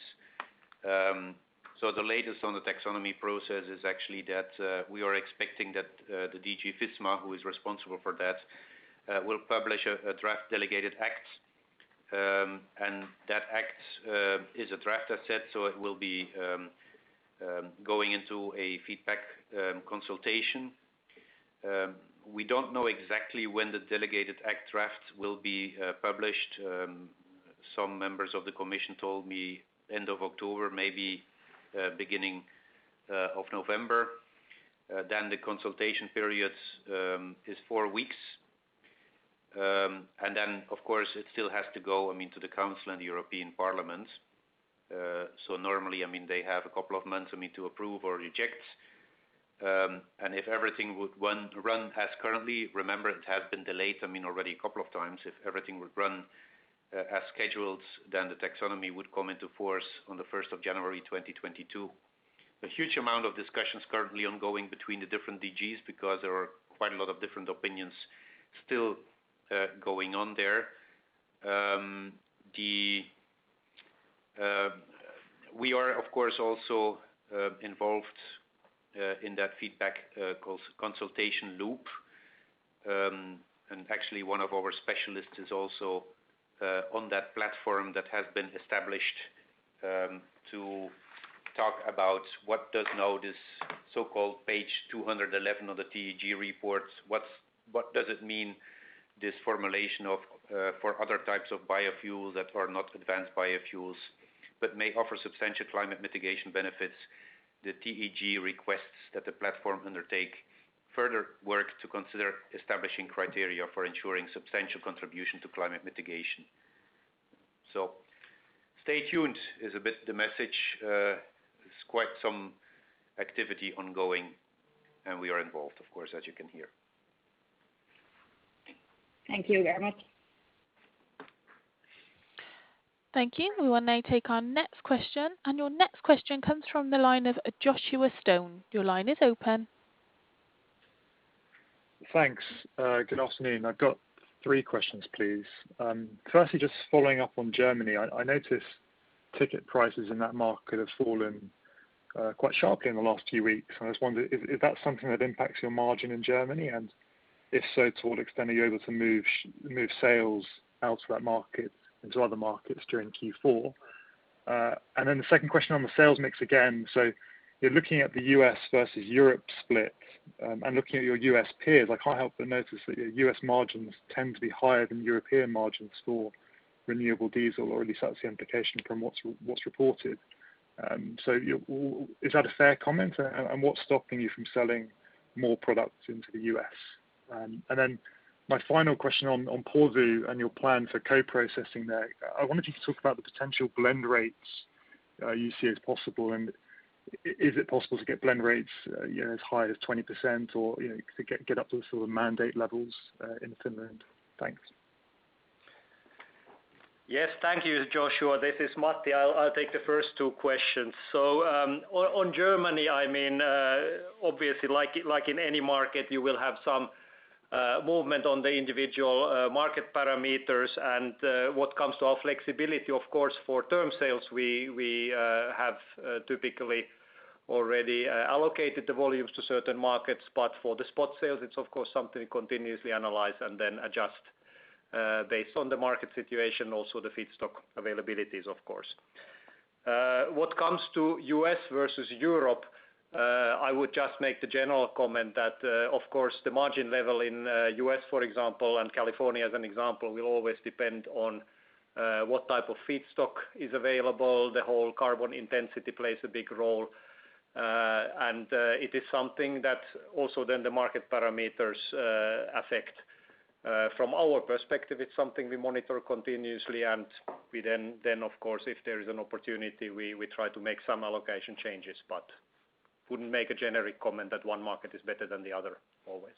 Speaker 2: The latest on the taxonomy process is actually that we are expecting that the DG FISMA, who is responsible for that, will publish a draft delegated act, and that act is a draft I said, so it will be going into a feedback consultation. We don't know exactly when the delegated act draft will be published. Some members of the commission told me end of October, maybe beginning of November. The consultation period is four weeks. Of course, it still has to go to the council and the European Parliament. Normally, they have a couple of months to approve or reject. If everything would run as currently, remember, it has been delayed already a couple of times. If everything would run as scheduled, then the Taxonomy would come into force on the 1st of January 2022. A huge amount of discussions currently ongoing between the different DGs because there are quite a lot of different opinions still going on there. We are, of course, also involved in that feedback consultation loop. Actually one of our specialists is also on that platform that has been established to talk about what does now this so-called page 211 of the TEG report, what does it mean, this formulation for other types of biofuels that are not advanced biofuels but may offer substantial climate mitigation benefits? The TEG requests that the platform undertake further work to consider establishing criteria for ensuring substantial contribution to climate mitigation. Stay tuned is a bit the message. There's quite some activity ongoing, and we are involved, of course, as you can hear.
Speaker 10: Thank you very much.
Speaker 7: Thank you. We will now take our next question. Your next question comes from the line of Joshua Stone. Your line is open.
Speaker 11: Thanks. Good afternoon. I've got three questions, please. Firstly, just following up on Germany, I noticed ticket prices in that market have fallen quite sharply in the last few weeks. I was wondering if that's something that impacts your margin in Germany, and if so, to what extent are you able to move sales out of that market into other markets during Q4? The second question on the sales mix again. You're looking at the U.S. versus Europe split. Looking at your U.S. peers, I can't help but notice that your U.S. margins tend to be higher than European margins for renewable diesel, or at least that's the implication from what's reported. Is that a fair comment? What's stopping you from selling more product into the U.S.? My final question on Porvoo and your plan for co-processing there, I wondered if you could talk about the potential blend rates you see as possible, and is it possible to get blend rates as high as 20% or to get up to the sort of mandate levels in Finland? Thanks.
Speaker 4: Yes. Thank you, Joshua. This is Matti. I'll take the first two questions. On Germany, obviously, like in any market, you will have some movement on the individual market parameters. What comes to our flexibility, of course, for term sales, we have typically already allocated the volumes to certain markets. For the spot sales, it's of course something we continuously analyze and adjust based on the market situation, also the feedstock availabilities of course. What comes to U.S. versus Europe, I would just make the general comment that, of course, the margin level in U.S., for example, and California as an example, will always depend on what type of feedstock is available. The whole carbon intensity plays a big role. It is something that also the market parameters affect. From our perspective, it's something we monitor continuously, and we then, of course, if there is an opportunity, we try to make some allocation changes, but wouldn't make a generic comment that one market is better than the other always.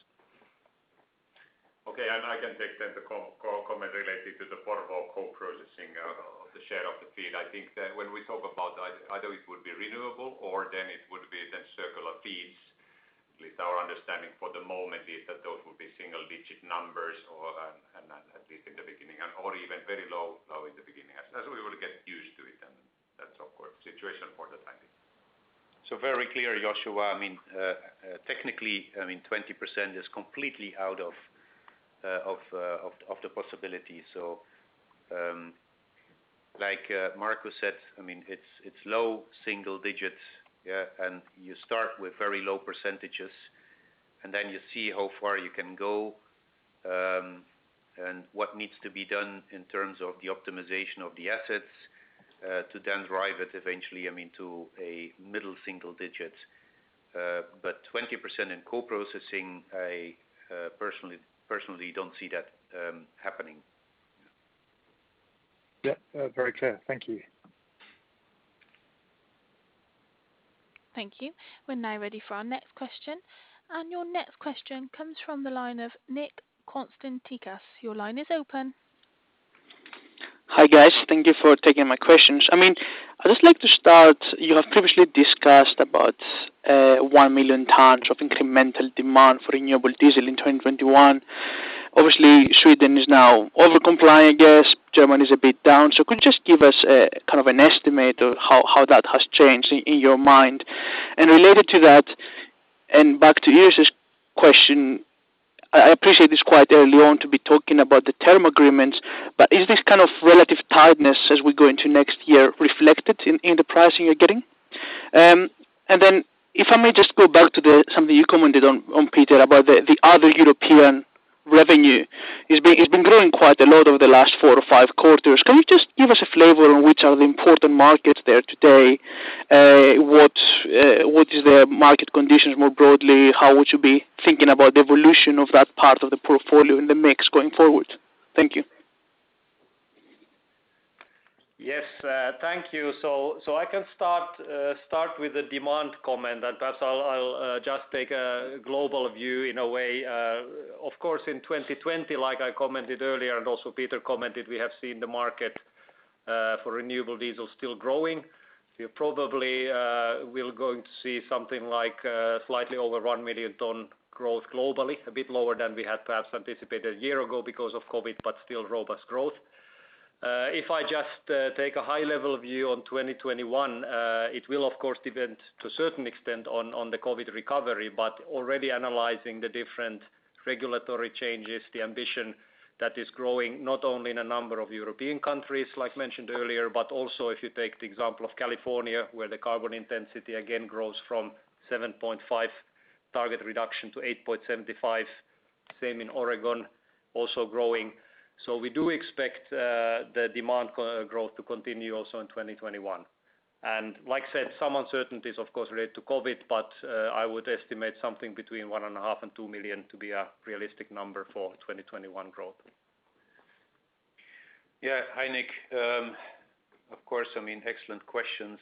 Speaker 5: Okay. I can take then the comment related to the Porvoo co-processing of the share of the feed. I think that when we talk about either it would be renewable or then it would be then circular feeds. At least our understanding for the moment is that those will be single-digit numbers or, and at least in the beginning, or even very low in the beginning, as we will get used to it. That's of course the situation for the timing.
Speaker 2: Very clear, Joshua. Technically, 20% is completely out of the possibility. Like Markus said, it's low single digits. Yeah. You start with very low percentages, and then you see how far you can go, and what needs to be done in terms of the optimization of the assets, to then drive it eventually to a middle single digit. 20% in co-processing, I personally don't see that happening.
Speaker 11: Yeah. Very clear. Thank you.
Speaker 7: Thank you. We are now ready for our next question. Your next question comes from the line of Nick Konstantakis. Your line is open.
Speaker 12: Hi, guys. Thank you for taking my questions. I'd just like to start, you have previously discussed about 1 million tons of incremental demand for renewable diesel in 2021. Sweden is now over complying, I guess, Germany is a bit down. Could you just give us a kind of an estimate of how that has changed in your mind? Related to that, back to Iiris's question, I appreciate it's quite early on to be talking about the term agreements, is this kind of relative tiredness as we go into next year reflected in the pricing you're getting? If I may just go back to something you commented on, Peter, about the other European revenue. It's been growing quite a lot over the last four or five quarters. Can you just give us a flavor on which are the important markets there today? What is their market conditions more broadly? How would you be thinking about the evolution of that part of the portfolio in the mix going forward? Thank you.
Speaker 4: Yes. Thank you. I can start with the demand comme`nt, and perhaps I'll just take a global view in a way. Of course, in 2020, like I commented earlier and also Peter commented, we have seen the market for renewable diesel still growing. Probably we're going to see something like slightly over 1 million ton growth globally, a bit lower than we had perhaps anticipated a year ago because of COVID, but still robust growth. If I just take a high-level view on 2021, it will of course depend to a certain extent on the COVID recovery. Already analyzing the different regulatory changes, the ambition that is growing not only in a number of European countries, like mentioned earlier, but also if you take the example of California, where the carbon intensity again grows from 7.5% target reduction to 8.75%. Same in Oregon, also growing. We do expect the demand growth to continue also in 2021. Like I said, some uncertainties of course related to COVID-19, but I would estimate something between one and a half and 2 million to be a realistic number for 2021 growth.
Speaker 2: Yeah. Hi, Nick. Of course, excellent questions.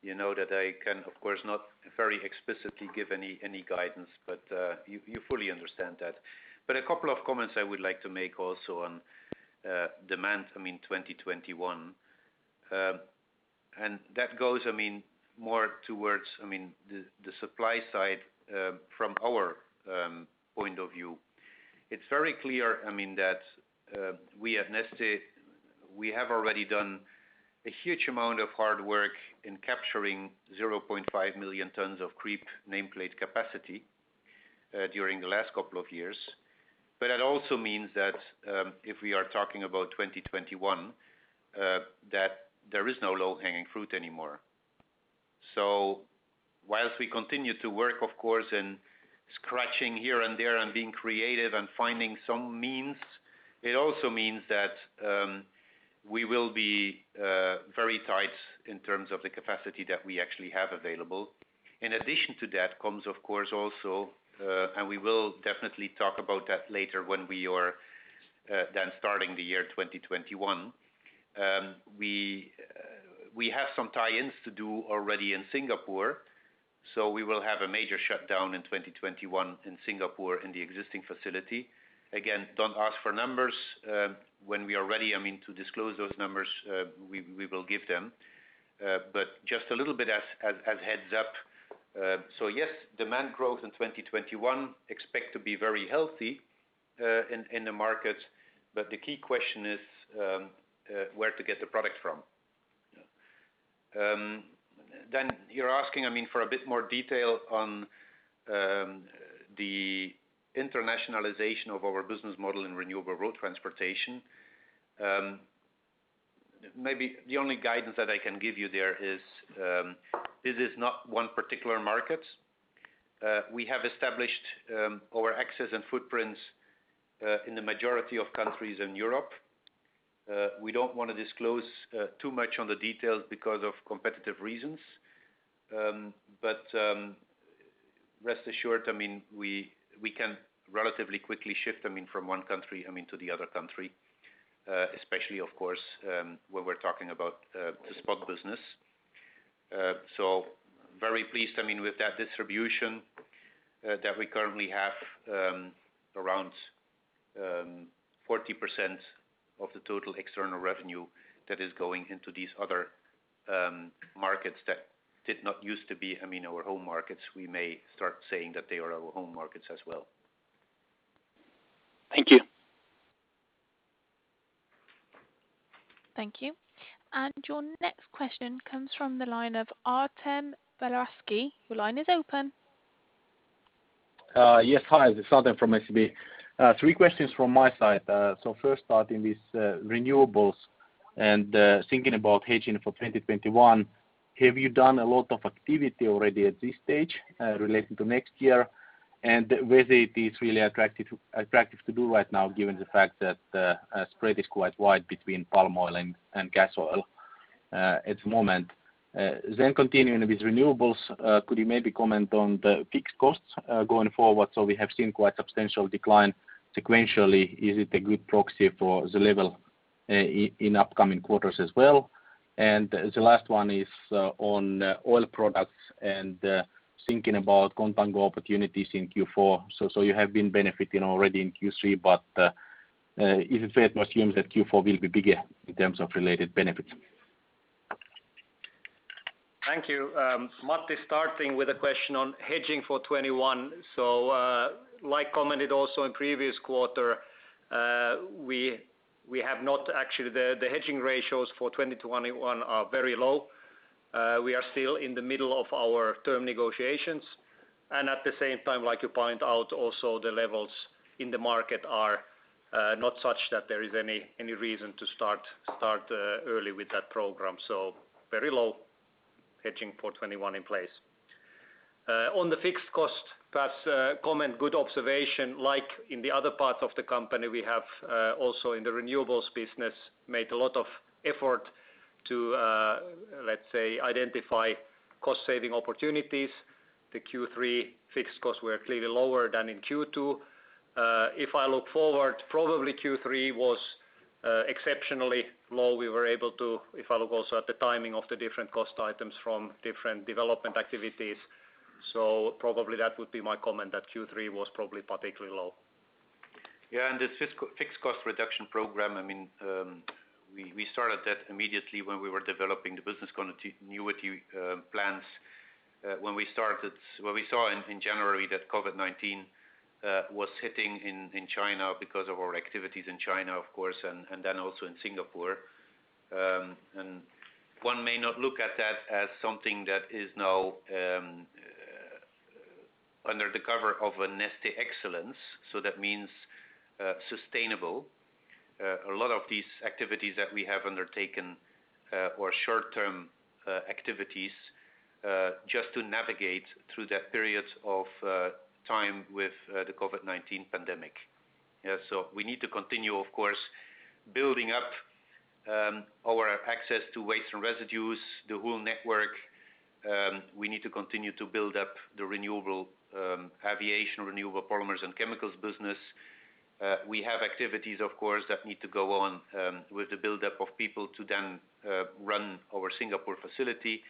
Speaker 2: You know that I can, of course not very explicitly give any guidance, but you fully understand that. A couple of comments I would like to make also on demand, 2021. That goes more towards the supply side from our point of view. It's very clear that we at Neste, we have already done a huge amount of hard work in capturing 0.5 million tons of creep nameplate capacity during the last couple of years. It also means that, if we are talking about 2021, that there is no low-hanging fruit anymore. Whilst we continue to work of course in scratching here and there and being creative and finding some means, it also means that we will be very tight in terms of the capacity that we actually have available. In addition to that comes, of course also, and we will definitely talk about that later when we are then starting the year 2021. We have some tie-ins to do already in Singapore. We will have a major shutdown in 2021 in Singapore in the existing facility. Again, don't ask for numbers. When we are ready, to disclose those numbers, we will give them. Just a little bit as heads up. Yes, demand growth in 2021 expect to be very healthy in the markets, but the key question is, where to get the product from? You're asking for a bit more detail on the internationalization of our business model in Renewable Road Transportation. Maybe the only guidance that I can give you there is, this is not one particular market. We have established our access and footprints in the majority of countries in Europe. We don't want to disclose too much on the details because of competitive reasons. Rest assured, we can relatively quickly shift from one country to the other country. Especially of course, when we're talking about the spot business. Very pleased, with that distribution that we currently have around 40% of the total external revenue that is going into these other markets that did not used to be our home markets. We may start saying that they are our home markets as well.
Speaker 12: Thank you.
Speaker 7: Thank you. Your next question comes from the line of Artem Beletski. Your line is open.
Speaker 13: Yes. Hi, this is Artem from SEB. Three questions from my side. First starting with renewables and thinking about hedging for 2021, have you done a lot of activity already at this stage relating to next year? Whether it is really attractive to do right now, given the fact that the spread is quite wide between palm oil and gas oil at the moment. Continuing with renewables, could you maybe comment on the fixed costs going forward? We have seen quite substantial decline sequentially. Is it a good proxy for the level in upcoming quarters as well? The last one is on Oil Products and thinking about contango opportunities in Q4. You have been benefiting already in Q3, but is it fair to assume that Q4 will be bigger in terms of related benefits?
Speaker 4: Thank you. Matti starting with a question on hedging for 2021. Like commented also in previous quarter, the hedging ratios for 2021 are very low. We are still in the middle of our term negotiations, and at the same time, like you point out, also the levels in the market are not such that there is any reason to start early with that program. Very low hedging for 2021 in place. On the fixed cost, perhaps comment, good observation. Like in the other parts of the company, we have also in the renewables business, made a lot of effort to, let's say, identify cost-saving opportunities. The Q3 fixed costs were clearly lower than in Q2. If I look forward, probably Q3 was exceptionally low. If I look also at the timing of the different cost items from different development activities. Probably that would be my comment, that Q3 was probably particularly low.
Speaker 2: Yeah. The fixed cost reduction program, we started that immediately when we were developing the business continuity plans. We saw in January that COVID-19 was hitting in China because of our activities in China, of course, and then also in Singapore. One may not look at that as something that is now under the cover of a Neste Excellence, so that means a lot of these activities that we have undertaken are short-term activities just to navigate through that period of time with the COVID-19 pandemic. We need to continue, of course, building up our access to waste and residues, the whole network. We need to continue to build up the Renewable Aviation, Renewable Polymers & Chemicals business. We have activities, of course, that need to go on with the buildup of people to then run our Singapore facility.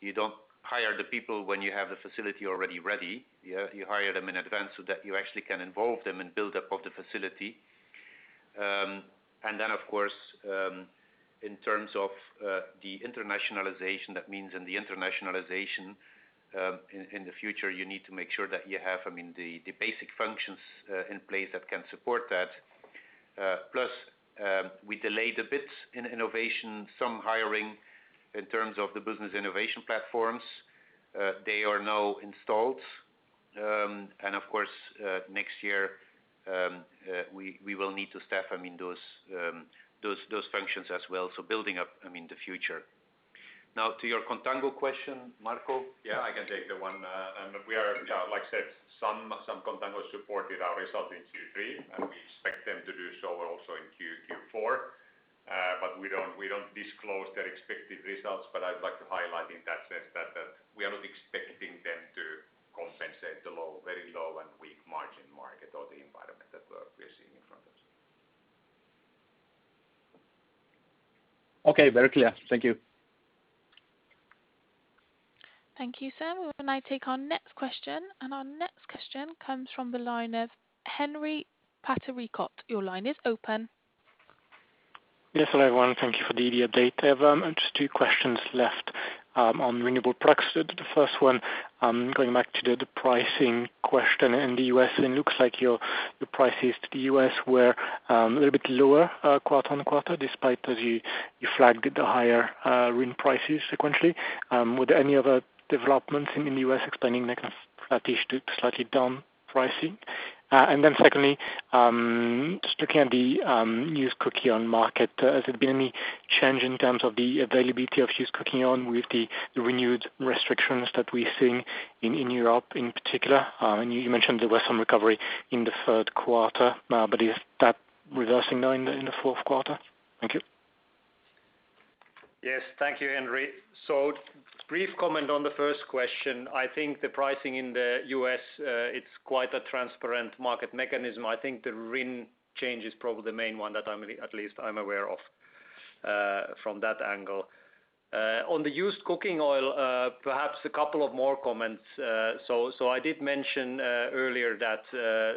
Speaker 2: You don't hire the people when you have the facility already ready. You hire them in advance so that you actually can involve them in buildup of the facility. Of course, in terms of the internationalization, that means in the internationalization in the future, you need to make sure that you have the basic functions in place that can support that. Plus, we delayed a bit in innovation, some hiring in terms of the business innovation platforms. They are now installed. Of course, next year, we will need to staff those functions as well. So building up the future. Now to your contango question, Marko?
Speaker 5: Yeah, I can take that one.
Speaker 2: Okay.
Speaker 5: Like I said, some contango supported our result in Q3, and we expect them to do so also in Q4. We don't disclose their expected results, but I'd like to highlight in that sense that we are not expecting them to compensate the very low and weak margin market or the environment that we are seeing in front of us.
Speaker 13: Okay, very clear. Thank you.
Speaker 7: Thank you, sir. We will now take our next question. Our next question comes from the line of Henri Patricot. Your line is open.
Speaker 14: Yes. Hello, everyone. Thank you for the update. I have just two questions left on renewable products. The first one, going back to the pricing question in the U.S., it looks like your prices to the U.S. were a little bit lower quarter-on-quarter, despite as you flagged the higher RIN prices sequentially. Were there any other developments in the U.S. explaining that slightish to slightly down pricing? Then secondly, just looking at the used cooking oil market, has there been any change in terms of the availability of used cooking oil with the renewed restrictions that we're seeing in Europe in particular? You mentioned there was some recovery in the third quarter now, but is that reversing now in the fourth quarter? Thank you.
Speaker 4: Yes. Thank you, Henri. Brief comment on the first question. I think the pricing in the U.S., it's quite a transparent market mechanism. I think the RIN change is probably the main one that at least I'm aware of from that angle. On the used cooking oil perhaps a couple of more comments. I did mention earlier that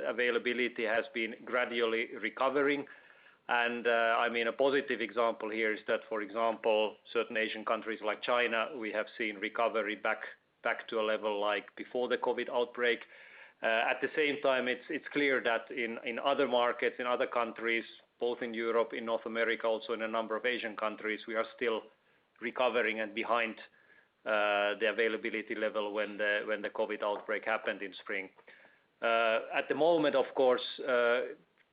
Speaker 4: availability has been gradually recovering, and a positive example here is that, for example, certain Asian countries like China, we have seen recovery back to a level before the COVID outbreak. At the same time, it's clear that in other markets, in other countries, both in Europe, in North America, also in a number of Asian countries, we are still recovering and behind the availability level when the COVID outbreak happened in spring. At the moment, of course,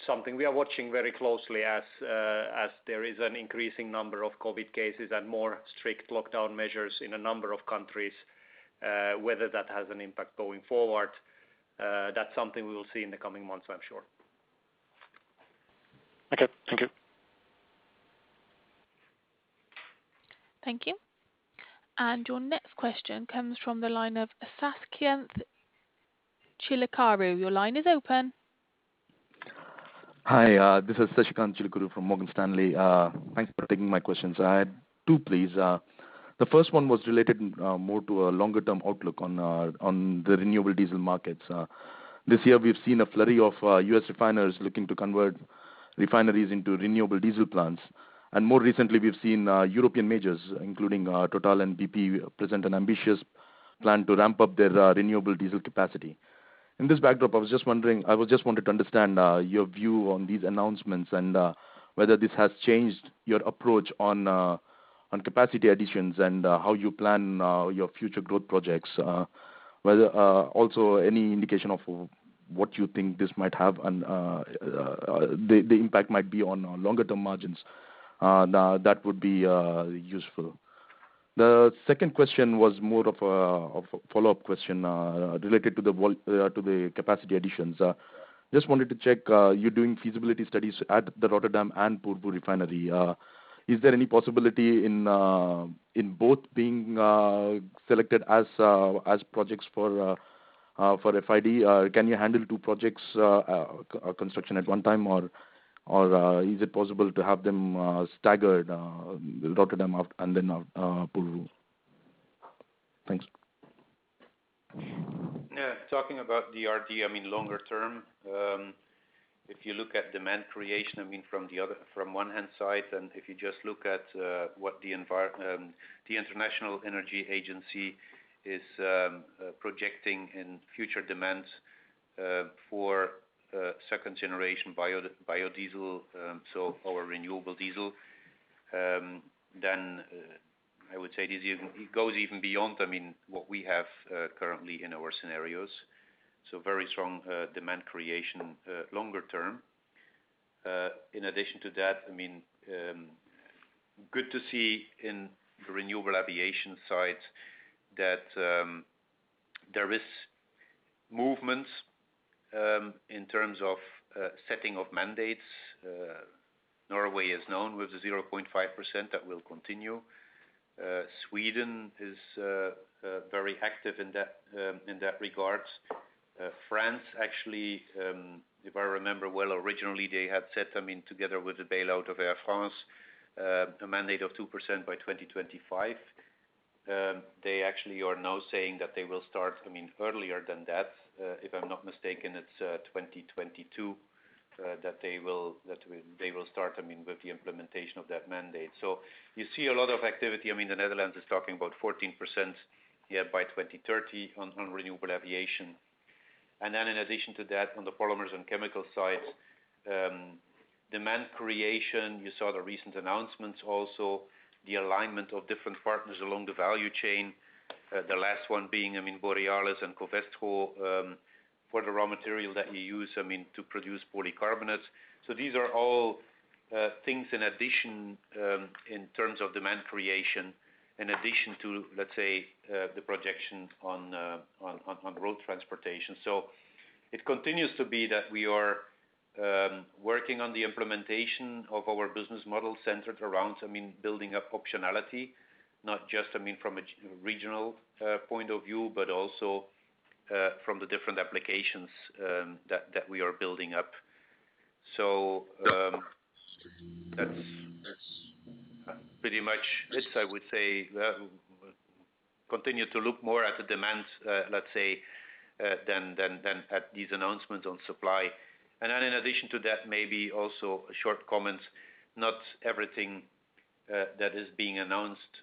Speaker 4: something we are watching very closely as there is an increasing number of COVID cases and more strict lockdown measures in a number of countries, whether that has an impact going forward, that's something we will see in the coming months, I'm sure.
Speaker 14: Okay. Thank you.
Speaker 7: Thank you. Your next question comes from the line of Sasikanth Chilukuru. Your line is open.
Speaker 15: Hi. This is Sasikanth Chilukuru from Morgan Stanley. Thanks for taking my questions. I had two, please. The first one was related more to a longer-term outlook on the renewable diesel markets. This year, we've seen a flurry of U.S. refiners looking to convert refineries into renewable diesel plants. More recently, we've seen European majors, including Total and BP, present an ambitious plan to ramp up their renewable diesel capacity. In this backdrop, I just wanted to understand your view on these announcements and whether this has changed your approach on capacity additions and how you plan your future growth projects. Also, any indication of what you think the impact might be on longer-term margins? That would be useful. The second question was more of a follow-up question related to the capacity additions. Just wanted to check, you're doing feasibility studies at the Rotterdam and Porvoo refinery. Is there any possibility in both being selected as projects for FID? Can you handle two projects construction at one time, or is it possible to have them staggered, Rotterdam and then Porvoo? Thanks.
Speaker 2: Talking about the RD, longer term, if you look at demand creation from one hand side, and if you just look at what the International Energy Agency is projecting in future demands for second generation biodiesel, so our renewable diesel, I would say this even goes even beyond what we have currently in our scenarios. Very strong demand creation longer term. Good to see in the Renewable Aviation side that there is movements in terms of setting of mandates. Norway is known with the 0.5% that will continue. Sweden is very active in that regard. France actually, if I remember well, originally they had set, together with the bailout of Air France, a mandate of 2% by 2025. They actually are now saying that they will start earlier than that. If I'm not mistaken, it's 2022 that they will start with the implementation of that mandate. You see a lot of activity. The Netherlands is talking about 14% here by 2030 on renewable aviation. In addition to that, on the polymers and chemical side, demand creation, you saw the recent announcements also, the alignment of different partners along the value chain. The last one being Borealis and Covestro, for the raw material that we use to produce polycarbonates. These are all things in addition, in terms of demand creation, in addition to, let's say, the projections on road transportation. It continues to be that we are working on the implementation of our business model centered around building up optionality, not just from a regional point of view, but also from the different applications that we are building up. That's pretty much this, I would say. Continue to look more at the demand, let's say, than at these announcements on supply. In addition to that, maybe also a short comment, not everything that is being announced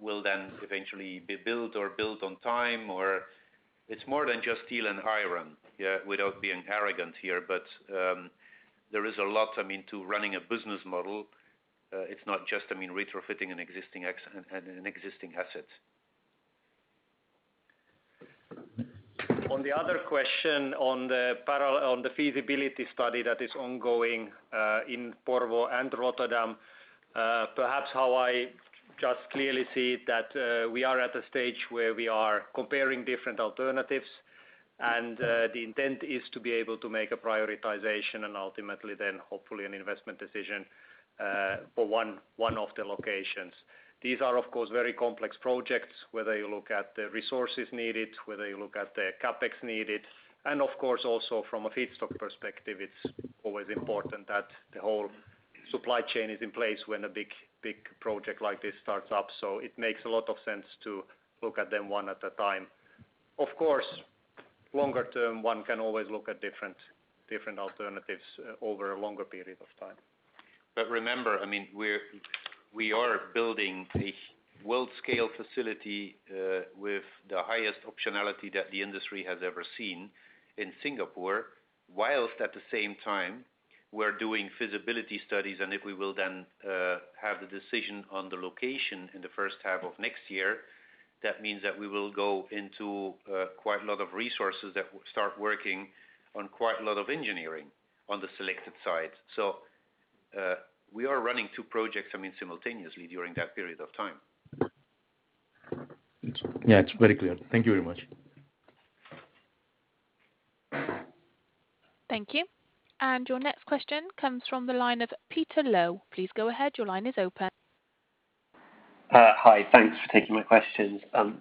Speaker 2: will then eventually be built or built on time. It's more than just steel and iron, without being arrogant here. There is a lot to running a business model. It's not just retrofitting an existing asset.
Speaker 4: On the other question on the feasibility study that is ongoing in Porvoo and Rotterdam, perhaps how I just clearly see it that we are at a stage where we are comparing different alternatives and the intent is to be able to make a prioritization and ultimately then hopefully an investment decision for one of the locations. These are, of course, very complex projects, whether you look at the resources needed, whether you look at the CapEx needed, and of course also from a feedstock perspective, it's always important that the whole supply chain is in place when a big project like this starts up. It makes a lot of sense to look at them one at a time. Of course, longer term, one can always look at different alternatives over a longer period of time.
Speaker 2: Remember, we are building a world-scale facility with the highest optionality that the industry has ever seen in Singapore, whilst at the same time, we're doing feasibility studies. If we will then have the decision on the location in the first half of next year, that means that we will go into quite a lot of resources that will start working on quite a lot of engineering on the selected side. We are running two projects simultaneously during that period of time.
Speaker 15: Yeah, it is very clear. Thank you very much.
Speaker 7: Thank you. Your next question comes from the line of Peter Low. Please go ahead. Your line is open.
Speaker 16: Hi. Thanks for taking my questions.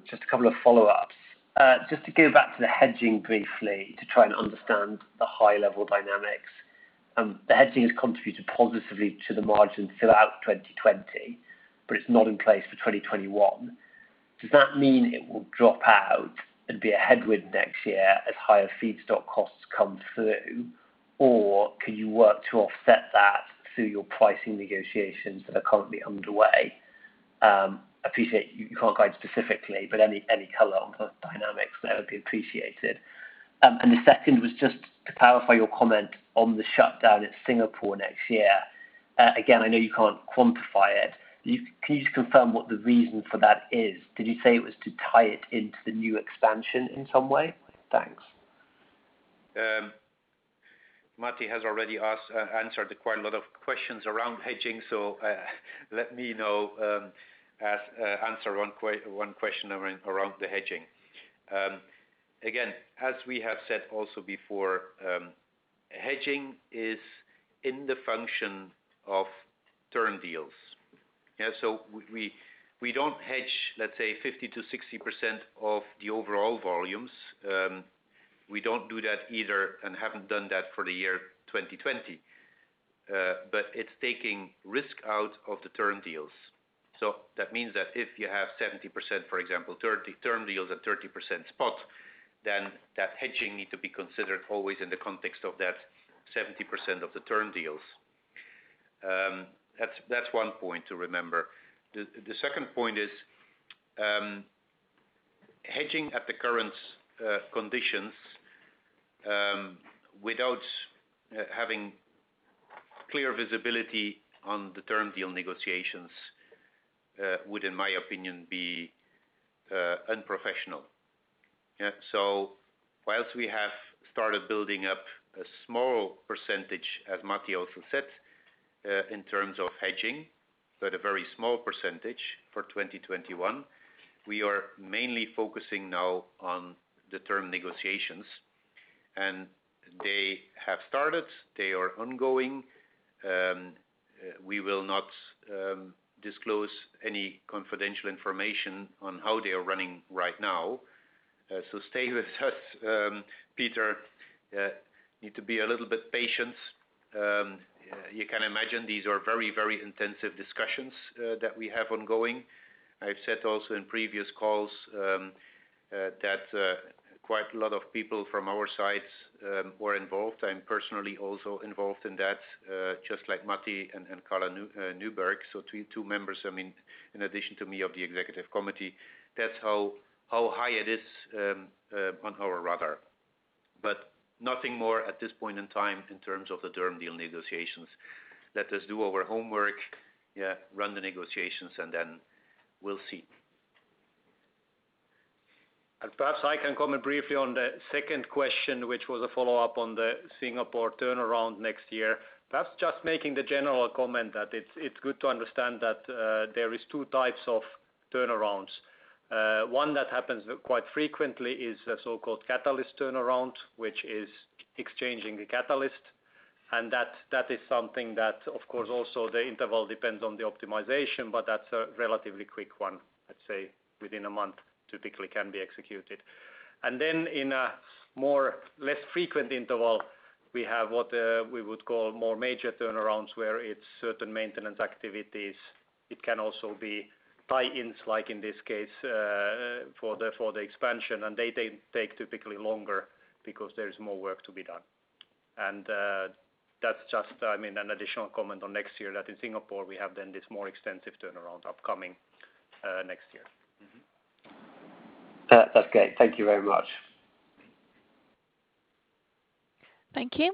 Speaker 16: Just a couple of follow-ups. Just to go back to the hedging briefly, to try and understand the high-level dynamics. The hedging has contributed positively to the margins throughout 2020, but it's not in place for 2021. Does that mean it will drop out and be a headwind next year as higher feedstock costs come through? Can you work to offset that through your pricing negotiations that are currently underway? Appreciate you can't guide specifically, any color on the dynamics there would be appreciated. The second was just to clarify your comment on the shutdown at Singapore next year. Again, I know you can't quantify it. Can you just confirm what the reason for that is? Did you say it was to tie it into the new expansion in some way? Thanks.
Speaker 2: Matti has already answered quite a lot of questions around hedging, so let me now answer one question around the hedging. As we have said also before, hedging is in the function of term deals. Yeah, so we don't hedge, let's say 50%-60% of the overall volumes. We don't do that either and haven't done that for the year 2020. It's taking risk out of the term deals. That means that if you have 70%, for example, term deals and 30% spot, then that hedging need to be considered always in the context of that 70% of the term deals. That's one point to remember. The second point is. Hedging at the current conditions without having clear visibility on the term deal negotiations would, in my opinion, be unprofessional. Whilst we have started building up a small percentage, as Matti also said, in terms of hedging, but a very small percentage for 2021, we are mainly focusing now on the term negotiations. They have started, they are ongoing. We will not disclose any confidential information on how they are running right now. Stay with us, Peter. You need to be a little bit patient. You can imagine these are very intensive discussions that we have ongoing. I've said also in previous calls that quite a lot of people from our sides were involved. I'm personally also involved in that, just like Matti and Carl Nyberg, so two members, in addition to me, of the Executive Committee. That's how high it is on our radar. Nothing more at this point in time in terms of the term deal negotiations. Let us do our homework, run the negotiations, and then we'll see.
Speaker 4: Perhaps I can comment briefly on the second question, which was a follow-up on the Singapore turnaround next year. Perhaps just making the general comment that it's good to understand that there is two types of turnarounds. One that happens quite frequently is a so-called catalyst turnaround, which is exchanging the catalyst. That is something that, of course, also the interval depends on the optimization, but that's a relatively quick one, I'd say within a month, typically can be executed. In a less frequent interval, we have what we would call more major turnarounds, where it's certain maintenance activities. It can also be tie-ins, like in this case, for the expansion, and they take typically longer because there is more work to be done. That's just an additional comment on next year that in Singapore, we have then this more extensive turnaround upcoming next year.
Speaker 16: That's great. Thank you very much.
Speaker 7: Thank you.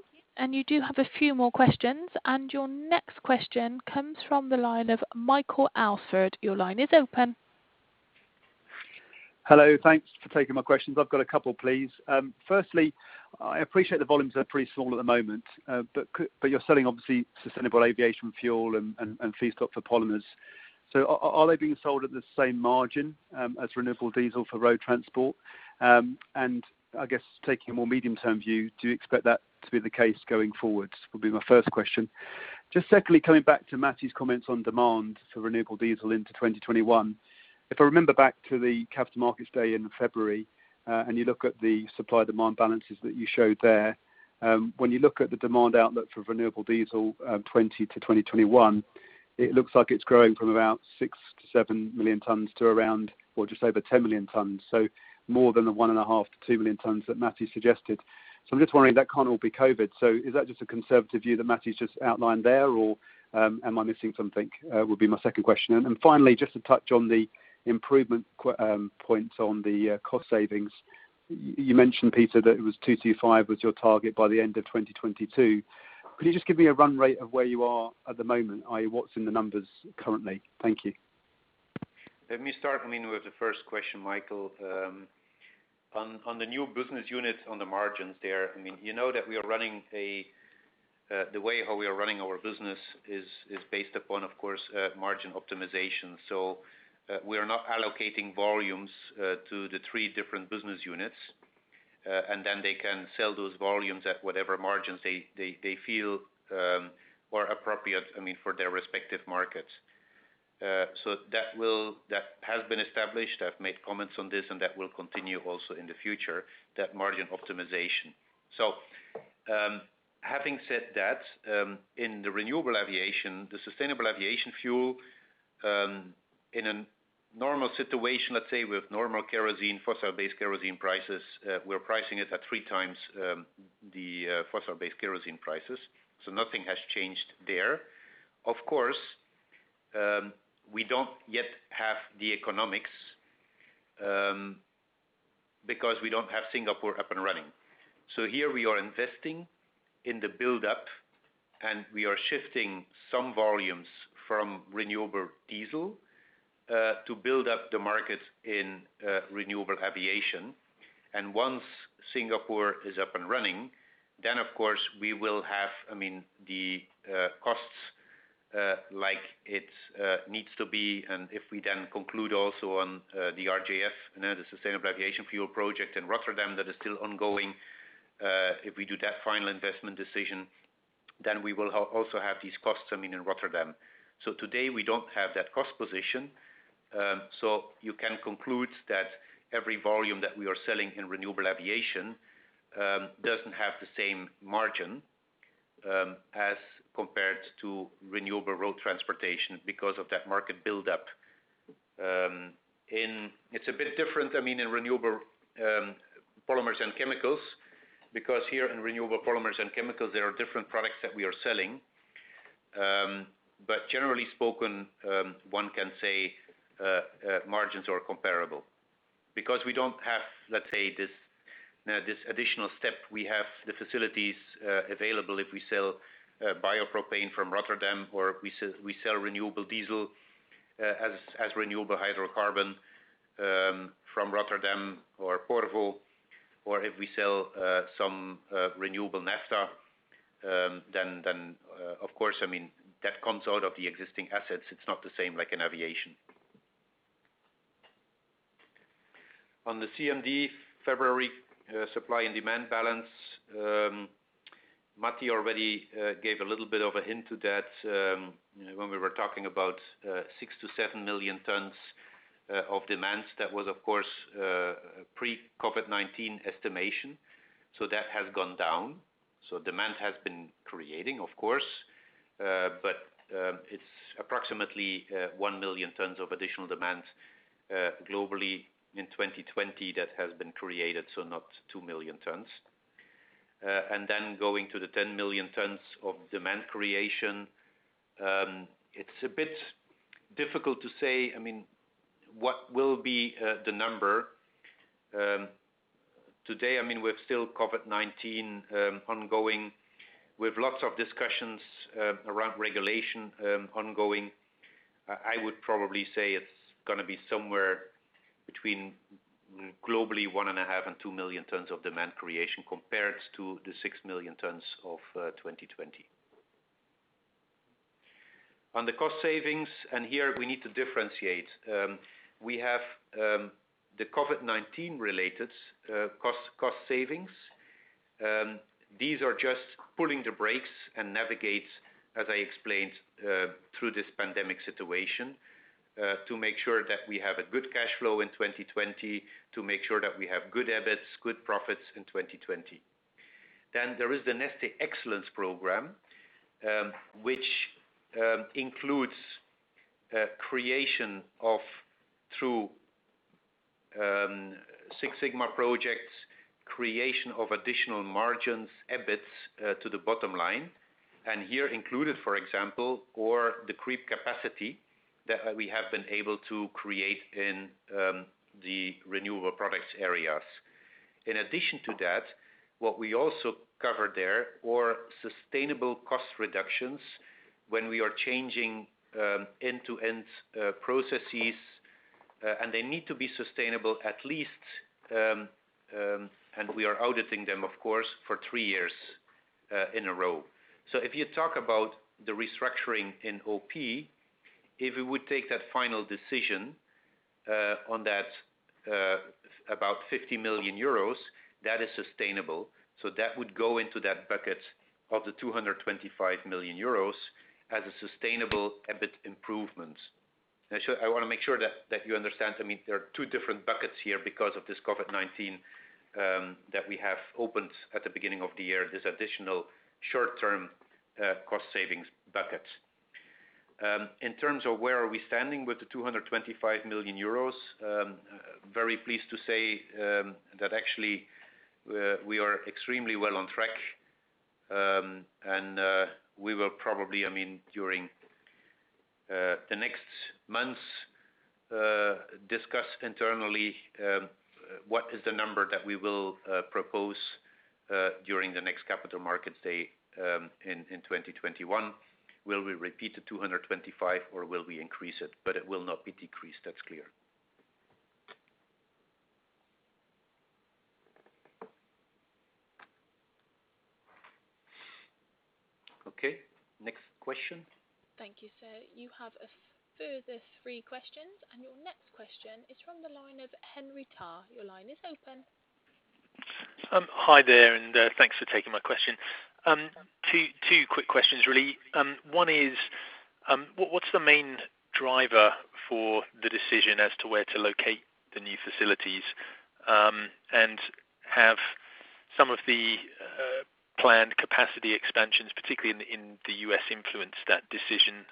Speaker 7: You do have a few more questions. Your next question comes from the line of Michael Alford. Your line is open.
Speaker 17: I appreciate the volumes are pretty small at the moment, but you're selling, obviously, sustainable aviation fuel and feedstock for polymers. Are they being sold at the same margin as renewable diesel for road transport? I guess taking a more medium-term view, do you expect that to be the case going forward? Would be my first question. Just secondly, coming back to Matti's comments on demand for renewable diesel into 2021. If I remember back to the Capital Markets Day in February, and you look at the supply-demand balances that you showed there. When you look at the demand outlook for renewable diesel 2020 to 2021, it looks like it's growing from about 6 million-7 million tons to around or just over 10 million tons. More than the 1.5 million-2 million tons that Matti suggested. I'm just wondering, that can't all be COVID-19. Is that just a conservative view that Matti's just outlined there, or am I missing something? Would be my second question. Finally, just to touch on the improvement points on the cost savings. You mentioned, Peter, that it was 225 was your target by the end of 2022. Could you just give me a run rate of where you are at the moment, i.e., what's in the numbers currently? Thank you.
Speaker 2: Let me start with the first question, Michael. On the new business units on the margins there, you know that the way how we are running our business is based upon, of course, margin optimization. We are not allocating volumes to the three different business units, and then they can sell those volumes at whatever margins they feel are appropriate for their respective markets. That has been established. I've made comments on this, and that will continue also in the future, that margin optimization. Having said that, in the Renewable Aviation, the sustainable aviation fuel, in a normal situation, let's say with normal kerosene, fossil-based kerosene prices, we are pricing it at three times the fossil-based kerosene prices. Nothing has changed there. Of course, we don't yet have the economics because we don't have Singapore up and running. Here we are investing in the buildup, and we are shifting some volumes from renewable diesel to build up the market in Renewable Aviation. Once Singapore is up and running, then of course we will have the costs like it needs to be, and if we then conclude also on the RGF, the sustainable aviation fuel project in Rotterdam that is still ongoing. If we do that final investment decision, then we will also have these costs in Rotterdam. Today we don't have that cost position. You can conclude that every volume that we are selling in Renewable Aviation doesn't have the same margin as compared to Renewable Road Transportation because of that market buildup. It's a bit different in Renewable Polymers & Chemicals, because here in Renewable Polymers & Chemicals, there are different products that we are selling. Generally spoken, one can say margins are comparable because we don't have this additional step. We have the facilities available if we sell bio-propane from Rotterdam, or if we sell renewable diesel as renewable hydrocarbon from Rotterdam or Porvoo, or if we sell some renewable naphtha, of course, that comes out of the existing assets. It's not the same like in aviation. On the CMD February supply and demand balance, Matti already gave a little bit of a hint to that when we were talking about 6 million-7 million tons of demands. That was, of course, a pre-COVID-19 estimation. That has gone down. Demand has been creating, of course, but it's approximately 1 million tons of additional demand globally in 2020 that has been created, so not 2 million tons. Going to the 10 million tons of demand creation, it's a bit difficult to say what will be the number. Today, we've still COVID-19 ongoing. We've lots of discussions around regulation ongoing. I would probably say it's going to be somewhere between globally 1.5 million-2 million tons of demand creation compared to the 6 million tons of 2020. On the cost savings, here we need to differentiate. We have the COVID-19 related cost savings. These are just pulling the brakes and navigate, as I explained, through this pandemic situation, to make sure that we have a good cash flow in 2020, to make sure that we have good EBITs, good profits in 2020. There is the Neste Excellence program, which includes creation of, through Six Sigma projects, creation of additional margins, EBITs to the bottom line. Here included, for example, or the creep capacity that we have been able to create in the renewable products areas. In addition to that, what we also cover there were sustainable cost reductions when we are changing end-to-end processes, and they need to be sustainable at least, and we are auditing them, of course, for three years in a row. If you talk about the restructuring in OP, if we would take that final decision on that about 50 million euros, that is sustainable. That would go into that bucket of the 225 million euros as a sustainable EBIT improvement. I want to make sure that you understand, there are two different buckets here because of this COVID-19, that we have opened at the beginning of the year, this additional short-term cost savings bucket. In terms of where are we standing with the 225 million euros, very pleased to say that actually, we are extremely well on track. We will probably, during the next months, discuss internally what is the number that we will propose during the next Capital Markets Day in 2021. Will we repeat the 225 million or will we increase it? It will not be decreased, that's clear. Okay, next question.
Speaker 7: Thank you, sir. You have a further three questions, and your next question is from the line of Henry Tarr. Your line is open.
Speaker 18: Hi there. Thanks for taking my question. Two quick questions, really. One is, what's the main driver for the decision as to where to locate the new facilities, and have some of the planned capacity expansions, particularly in the U.S., influenced that decision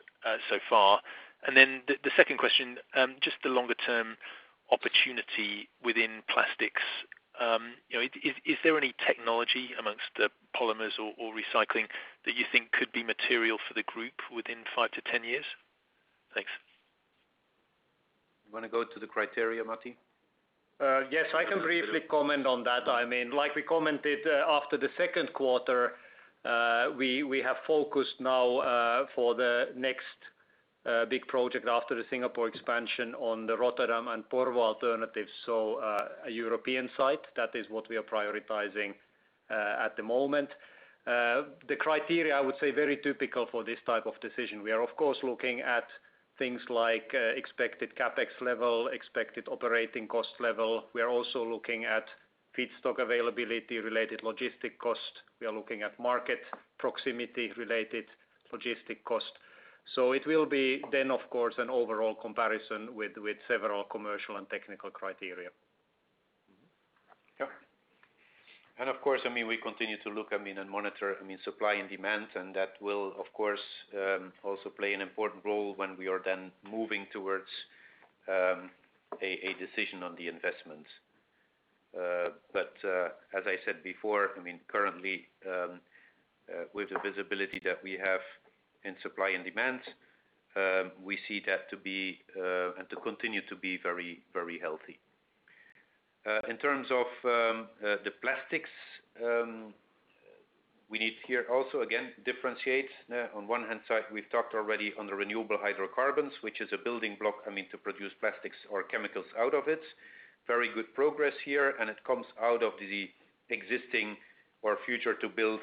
Speaker 18: so far? The second question, just the longer-term opportunity within plastics. Is there any technology amongst the polymers or recycling that you think could be material for the group within 5-10 years?
Speaker 2: You want to go to the criteria, Matti?
Speaker 4: Yes, I can briefly comment on that. Like we commented after the second quarter, we have focused now for the next big project after the Singapore expansion on the Rotterdam and Porvoo alternatives. A European site, that is what we are prioritizing at the moment. The criteria, I would say, very typical for this type of decision. We are, of course, looking at things like expected CapEx level, expected operating cost level. We are also looking at feedstock availability, related logistic cost. We are looking at market proximity related logistic cost. It will be then, of course, an overall comparison with several commercial and technical criteria.
Speaker 2: Yeah. Of course, w e continue to look and monitor supply and demand, and that will, of course, also play an important role when we are then moving towards a decision on the investment. As I said before, currently, with the visibility that we have in supply and demand, we see that to continue to be very healthy. In terms of the plastics, we need here also, again, differentiate. On one hand side, we've talked already on the renewable hydrocarbons, which is a building block to produce plastics or chemicals out of it. Very good progress here, and it comes out of the existing or future to build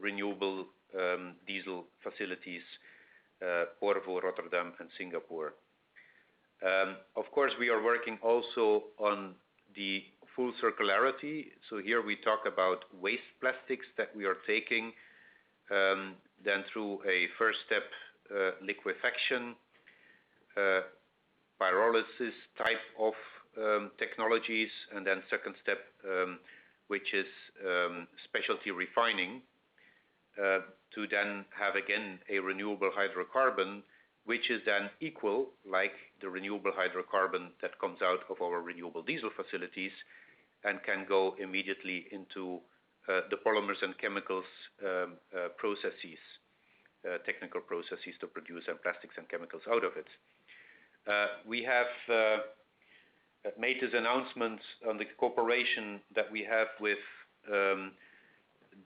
Speaker 2: renewable diesel facilities, Porvoo, Rotterdam, and Singapore. Of course, we are working also on the full circularity. Here we talk about waste plastics that we are taking, then through a first-step liquefaction, pyrolysis type of technologies, and then second step, which is specialty refining, to then have again, a renewable hydrocarbon, which is then equal, like the renewable hydrocarbon that comes out of our renewable diesel facilities and can go immediately into the polymers and chemicals technical processes to produce our plastics and chemicals out of it. We have made announcements on the cooperation that we have with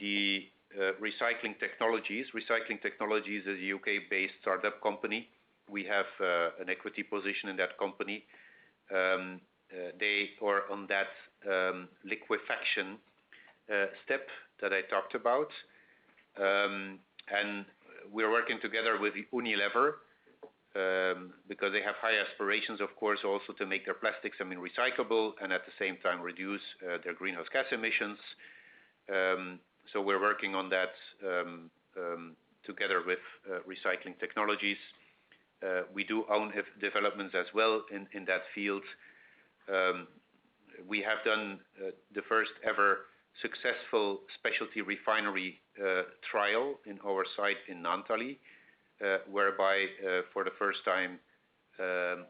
Speaker 2: the Recycling Technologies. Recycling Technologies is a U.K.-based startup company. We have an equity position in that company. They are on that liquefaction step that I talked about. We're working together with Unilever, because they have high aspirations, of course, also to make their plastics recyclable and at the same time reduce their greenhouse gas emissions. We're working on that together with Recycling Technologies. We do own developments as well in that field. We have done the first-ever successful specialty refinery trial in our site in Naantali, whereby for the first time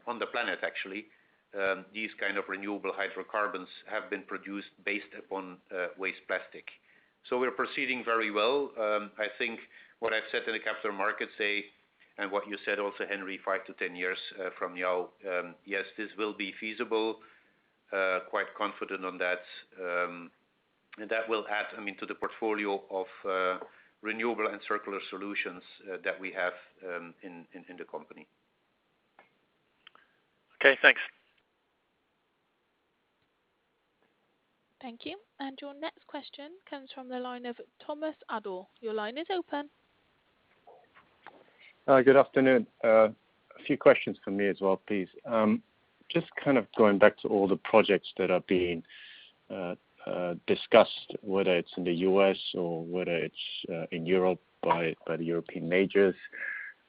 Speaker 2: on the planet, actually, these kinds of renewable hydrocarbons have been produced based upon waste plastic. We're proceeding very well. I think what I've said in the Capital Markets Day and what you said also, Henry, 5-10 years from now, yes, this will be feasible, quite confident on that. That will add to the portfolio of renewable and circular solutions that we have in the company.
Speaker 18: Okay, thanks.
Speaker 7: Thank you. Your next question comes from the line of Thomas Adolff. Your line is open.
Speaker 19: Good afternoon. A few questions from me as well, please. Just kind of going back to all the projects that are being discussed, whether it's in the U.S. or whether it's in Europe by the European majors.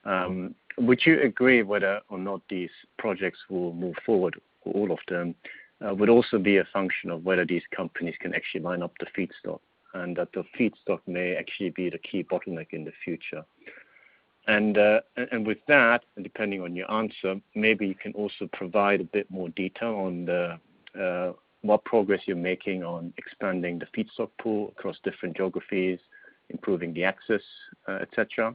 Speaker 19: Would you agree whether or not these projects will move forward, all of them, would also be a function of whether these companies can actually line up the feedstock, and that the feedstock may actually be the key bottleneck in the future? With that, and depending on your answer, maybe you can also provide a bit more detail on what progress you're making on expanding the feedstock pool across different geographies, improving the access, et cetera.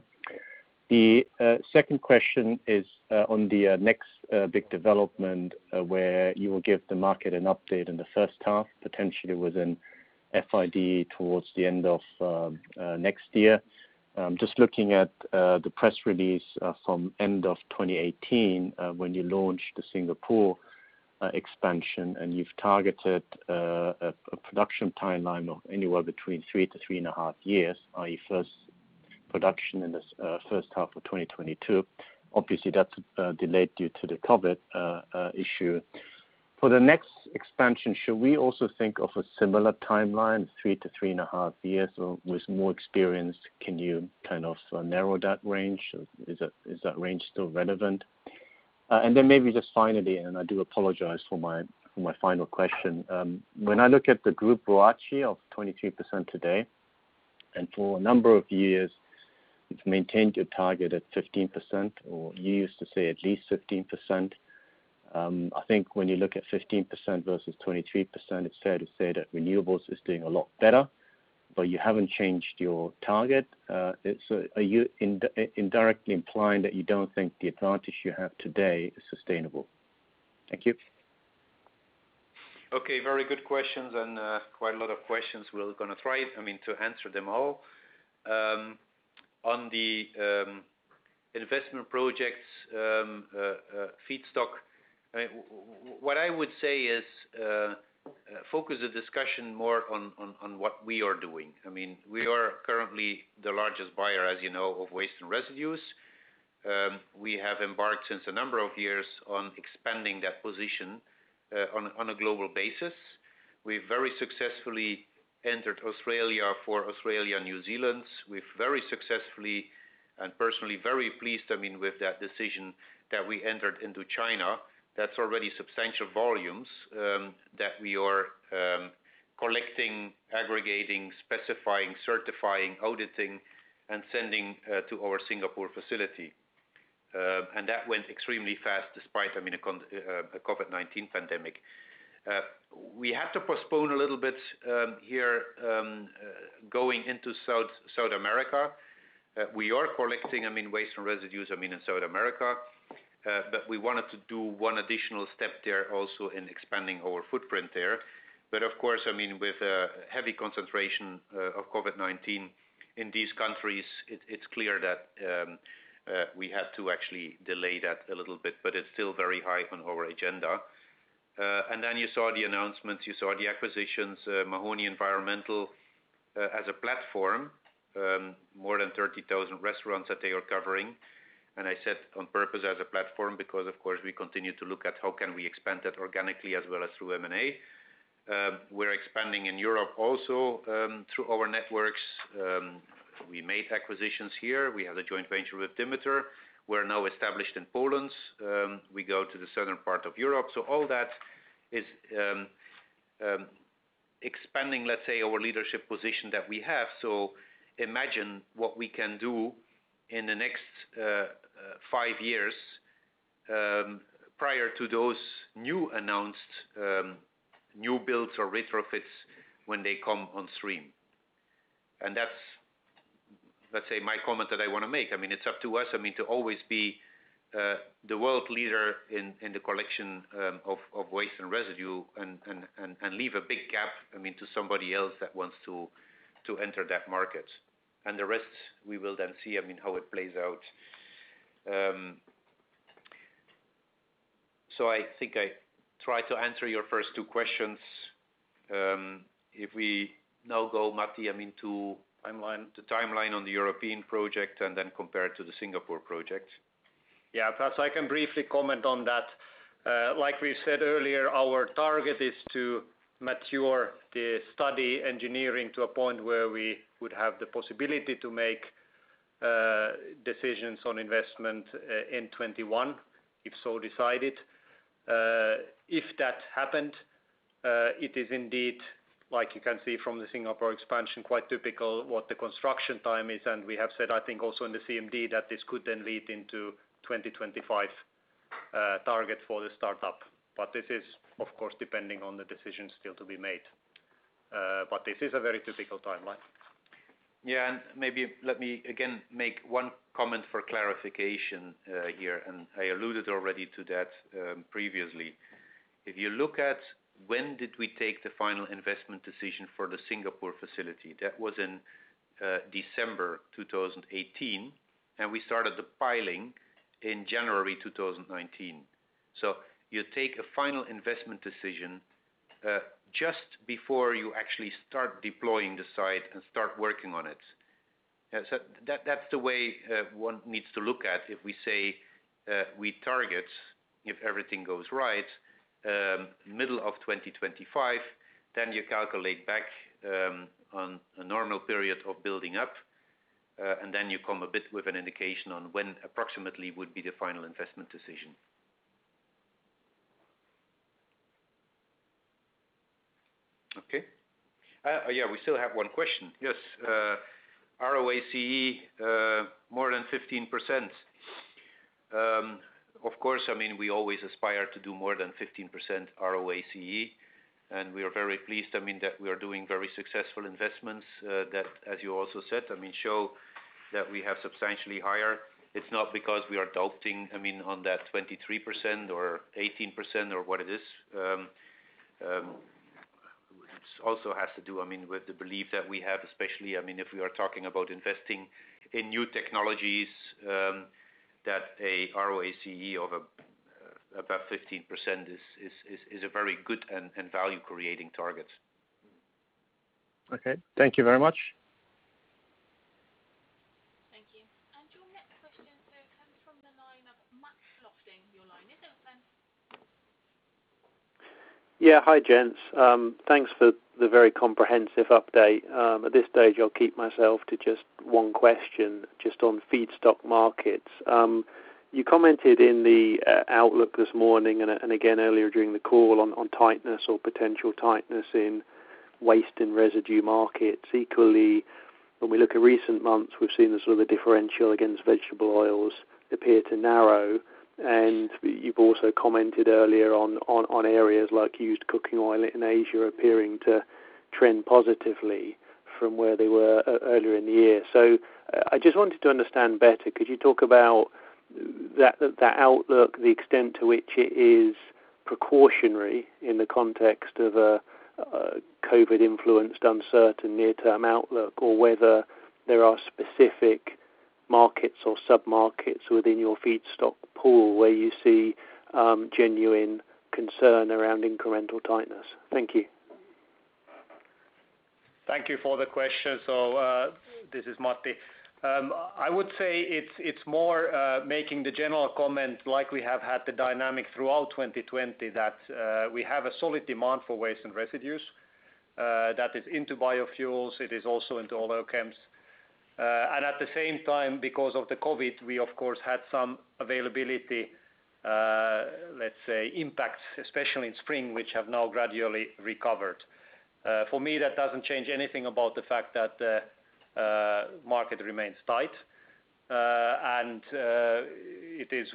Speaker 19: The second question is on the next big development, where you will give the market an update in the first half, potentially with an FID towards the end of next year. Just looking at the press release from end of 2018, when you launched the Singapore expansion, and you've targeted a production timeline of anywhere between three to three and a half years, i.e. first production in the first half of 2022. Obviously, that's delayed due to the COVID issue. For the next expansion, should we also think of a similar timeline, three to three and a half years? With more experience, can you kind of narrow that range? Is that range still relevant? Then maybe just finally, and I do apologize for my final question. When I look at the group ROACE of 23% today, and for a number of years, you've maintained your target at 15%, or you used to say at least 15%. I think when you look at 15% versus 23%, it's fair to say that renewables is doing a lot better, but you haven't changed your target. Are you indirectly implying that you don't think the advantage you have today is sustainable? Thank you.
Speaker 2: Okay, very good questions and quite a lot of questions. We're going to try to answer them all. On the investment projects, feedstock, what I would say is, focus the discussion more on what we are doing. We are currently the largest buyer, as you know, of waste and residues. We have embarked since a number of years on expanding that position on a global basis. We very successfully entered Australia for Australia and New Zealand. We very successfully, and personally very pleased with that decision that we entered into China. That's already substantial volumes that we are collecting, aggregating, specifying, certifying, auditing, and sending to our Singapore facility. That went extremely fast despite a COVID-19 pandemic. We have to postpone a little bit here, going into South America. We are collecting waste and residues in South America, but we wanted to do one additional step there also in expanding our footprint there. Of course, with a heavy concentration of COVID-19 in these countries, it's clear that we had to actually delay that a little bit, but it's still very high on our agenda. You saw the announcements, you saw the acquisitions, Mahoney Environmental, as a platform, more than 30,000 restaurants that they are covering. I said on purpose as a platform, because of course, we continue to look at how can we expand that organically as well as through M&A. We're expanding in Europe also, through our networks. We made acquisitions here. We have a joint venture with Demeter. We're now established in Poland. We go to the southern part of Europe. All that is expanding, let's say, our leadership position that we have. Imagine what we can do in the next five years, prior to those new announced new builds or retrofits when they come on stream. That's, let's say, my comment that I want to make. It's up to us to always be the world leader in the collection of waste and residue and leave a big gap to somebody else that wants to enter that market. The rest, we will then see how it plays out. I think I tried to answer your first two questions. If we now go, Matti, to.
Speaker 4: Timeline
Speaker 2: the timeline on the European project, and then compare it to the Singapore project.
Speaker 4: I can briefly comment on that. Like we said earlier, our target is to mature the study engineering to a point where we would have the possibility to make decisions on investment in 2021, if so decided. If that happened, it is indeed, like you can see from the Singapore expansion, quite typical what the construction time is. We have said, I think also in the CMD, that this could then lead into 2025 target for the startup. This is, of course, depending on the decisions still to be made. This is a very typical timeline.
Speaker 2: Yeah, maybe let me, again, make one comment for clarification here, and I alluded already to that previously. If you look at when did we take the final investment decision for the Singapore facility, that was in December 2018, and we started the piling in January 2019. You take a final investment decision just before you actually start deploying the site and start working on it. That's the way one needs to look at if we say, we target, if everything goes right, middle of 2025, then you calculate back on a normal period of building up, and then you come a bit with an indication on when approximately would be the final investment decision. Okay? Yeah, we still have one question. Yes, ROACE more than 15%. Of course, we always aspire to do more than 15% ROACE, and we are very pleased that we are doing very successful investments that, as you also said, show that we have substantially higher. It's not because we are doubting on that 23% or 18% or what it is. It also has to do with the belief that we have, especially if we are talking about investing in new technologies, that a ROACE of above 15% is a very good and value-creating target.
Speaker 19: Okay. Thank you very much.
Speaker 7: Thank you. Your next question comes from the line of Matt Lofting. Your line is open.
Speaker 20: Hi, gents. Thanks for the very comprehensive update. At this stage, I'll keep myself to just one question, just on feedstock markets. You commented in the outlook this morning, and again earlier during the call, on tightness or potential tightness in waste and residue markets. Equally, when we look at recent months, we've seen the sort of differential against vegetable oils appear to narrow, and you've also commented earlier on areas like used cooking oil in Asia appearing to trend positively from where they were earlier in the year. I just wanted to understand better. Could you talk about that outlook, the extent to which it is precautionary in the context of a COVID-influenced uncertain near-term outlook, or whether there are specific markets or sub-markets within your feedstock pool where you see genuine concern around incremental tightness? Thank you.
Speaker 4: Thank you for the question. This is Matti. I would say it's more making the general comment, like we have had the dynamic throughout 2020, that we have a solid demand for waste and residues. That is into biofuels, it is also into oleochems. At the same time, because of the COVID, we of course had some availability Let's say impacts, especially in spring, which have now gradually recovered. For me, that doesn't change anything about the fact that the market remains tight. It is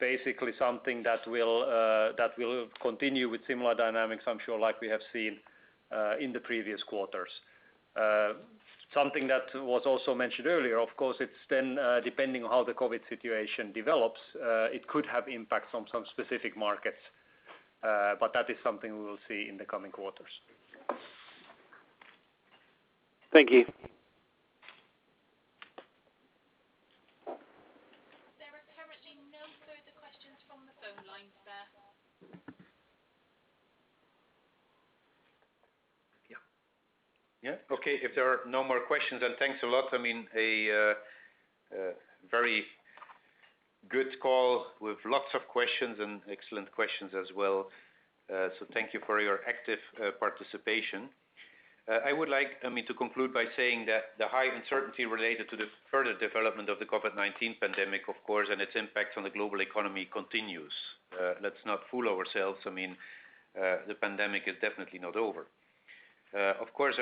Speaker 4: basically something that will continue with similar dynamics, I'm sure like we have seen in the previous quarters. Something that was also mentioned earlier, of course, it's then depending on how the COVID situation develops, it could have impacts on some specific markets. That is something we will see in the coming quarters.
Speaker 20: Thank you.
Speaker 7: There are currently no further questions from the phone lines there.
Speaker 2: Yeah. Okay, if there are no more questions, thanks a lot. A very good call with lots of questions and excellent questions as well. Thank you for your active participation. I would like to conclude by saying that the high uncertainty related to the further development of the COVID-19 pandemic, of course, and its impact on the global economy continues. Let's not fool ourselves, the pandemic is definitely not over. Of course,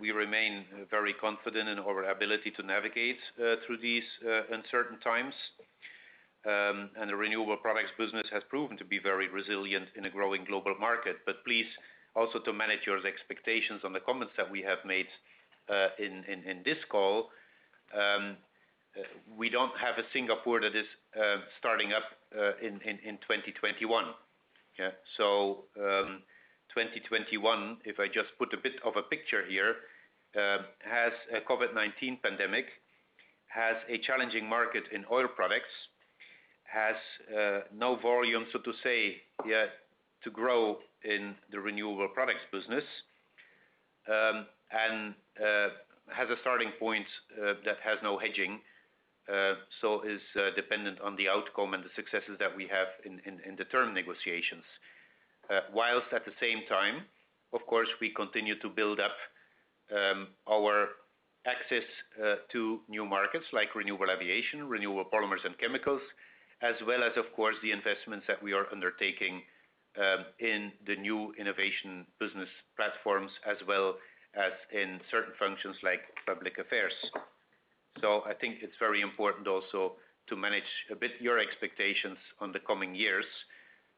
Speaker 2: we remain very confident in our ability to navigate through these uncertain times. The renewable products business has proven to be very resilient in a growing global market. Please, also to manage your expectations on the comments that we have made in this call, we don't have a Singapore that is starting up in 2021. 2021, if I just put a bit of a picture here, has a COVID-19 pandemic, has a challenging market in Oil Products, has no volume, so to say, yet to grow in the renewable products business. Has a starting point that has no hedging, so is dependent on the outcome and the successes that we have in the term negotiations. Whilst at the same time, of course, we continue to build up our access to new markets like Renewable Aviation, Renewable Polymers & Chemicals, as well as, of course, the investments that we are undertaking in the new innovation business platforms, as well as in certain functions like public affairs. I think it's very important also to manage a bit your expectations on the coming years,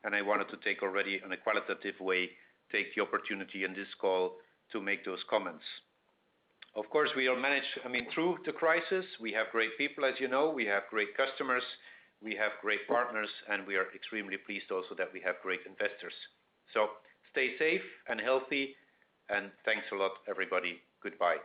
Speaker 2: and I wanted to take already in a qualitative way, take the opportunity in this call to make those comments.
Speaker 4: Of course, we are managed through the crisis. We have great people, as you know. We have great customers. We have great partners, and we are extremely pleased also that we have great investors. Stay safe and healthy, and thanks a lot, everybody. Goodbye.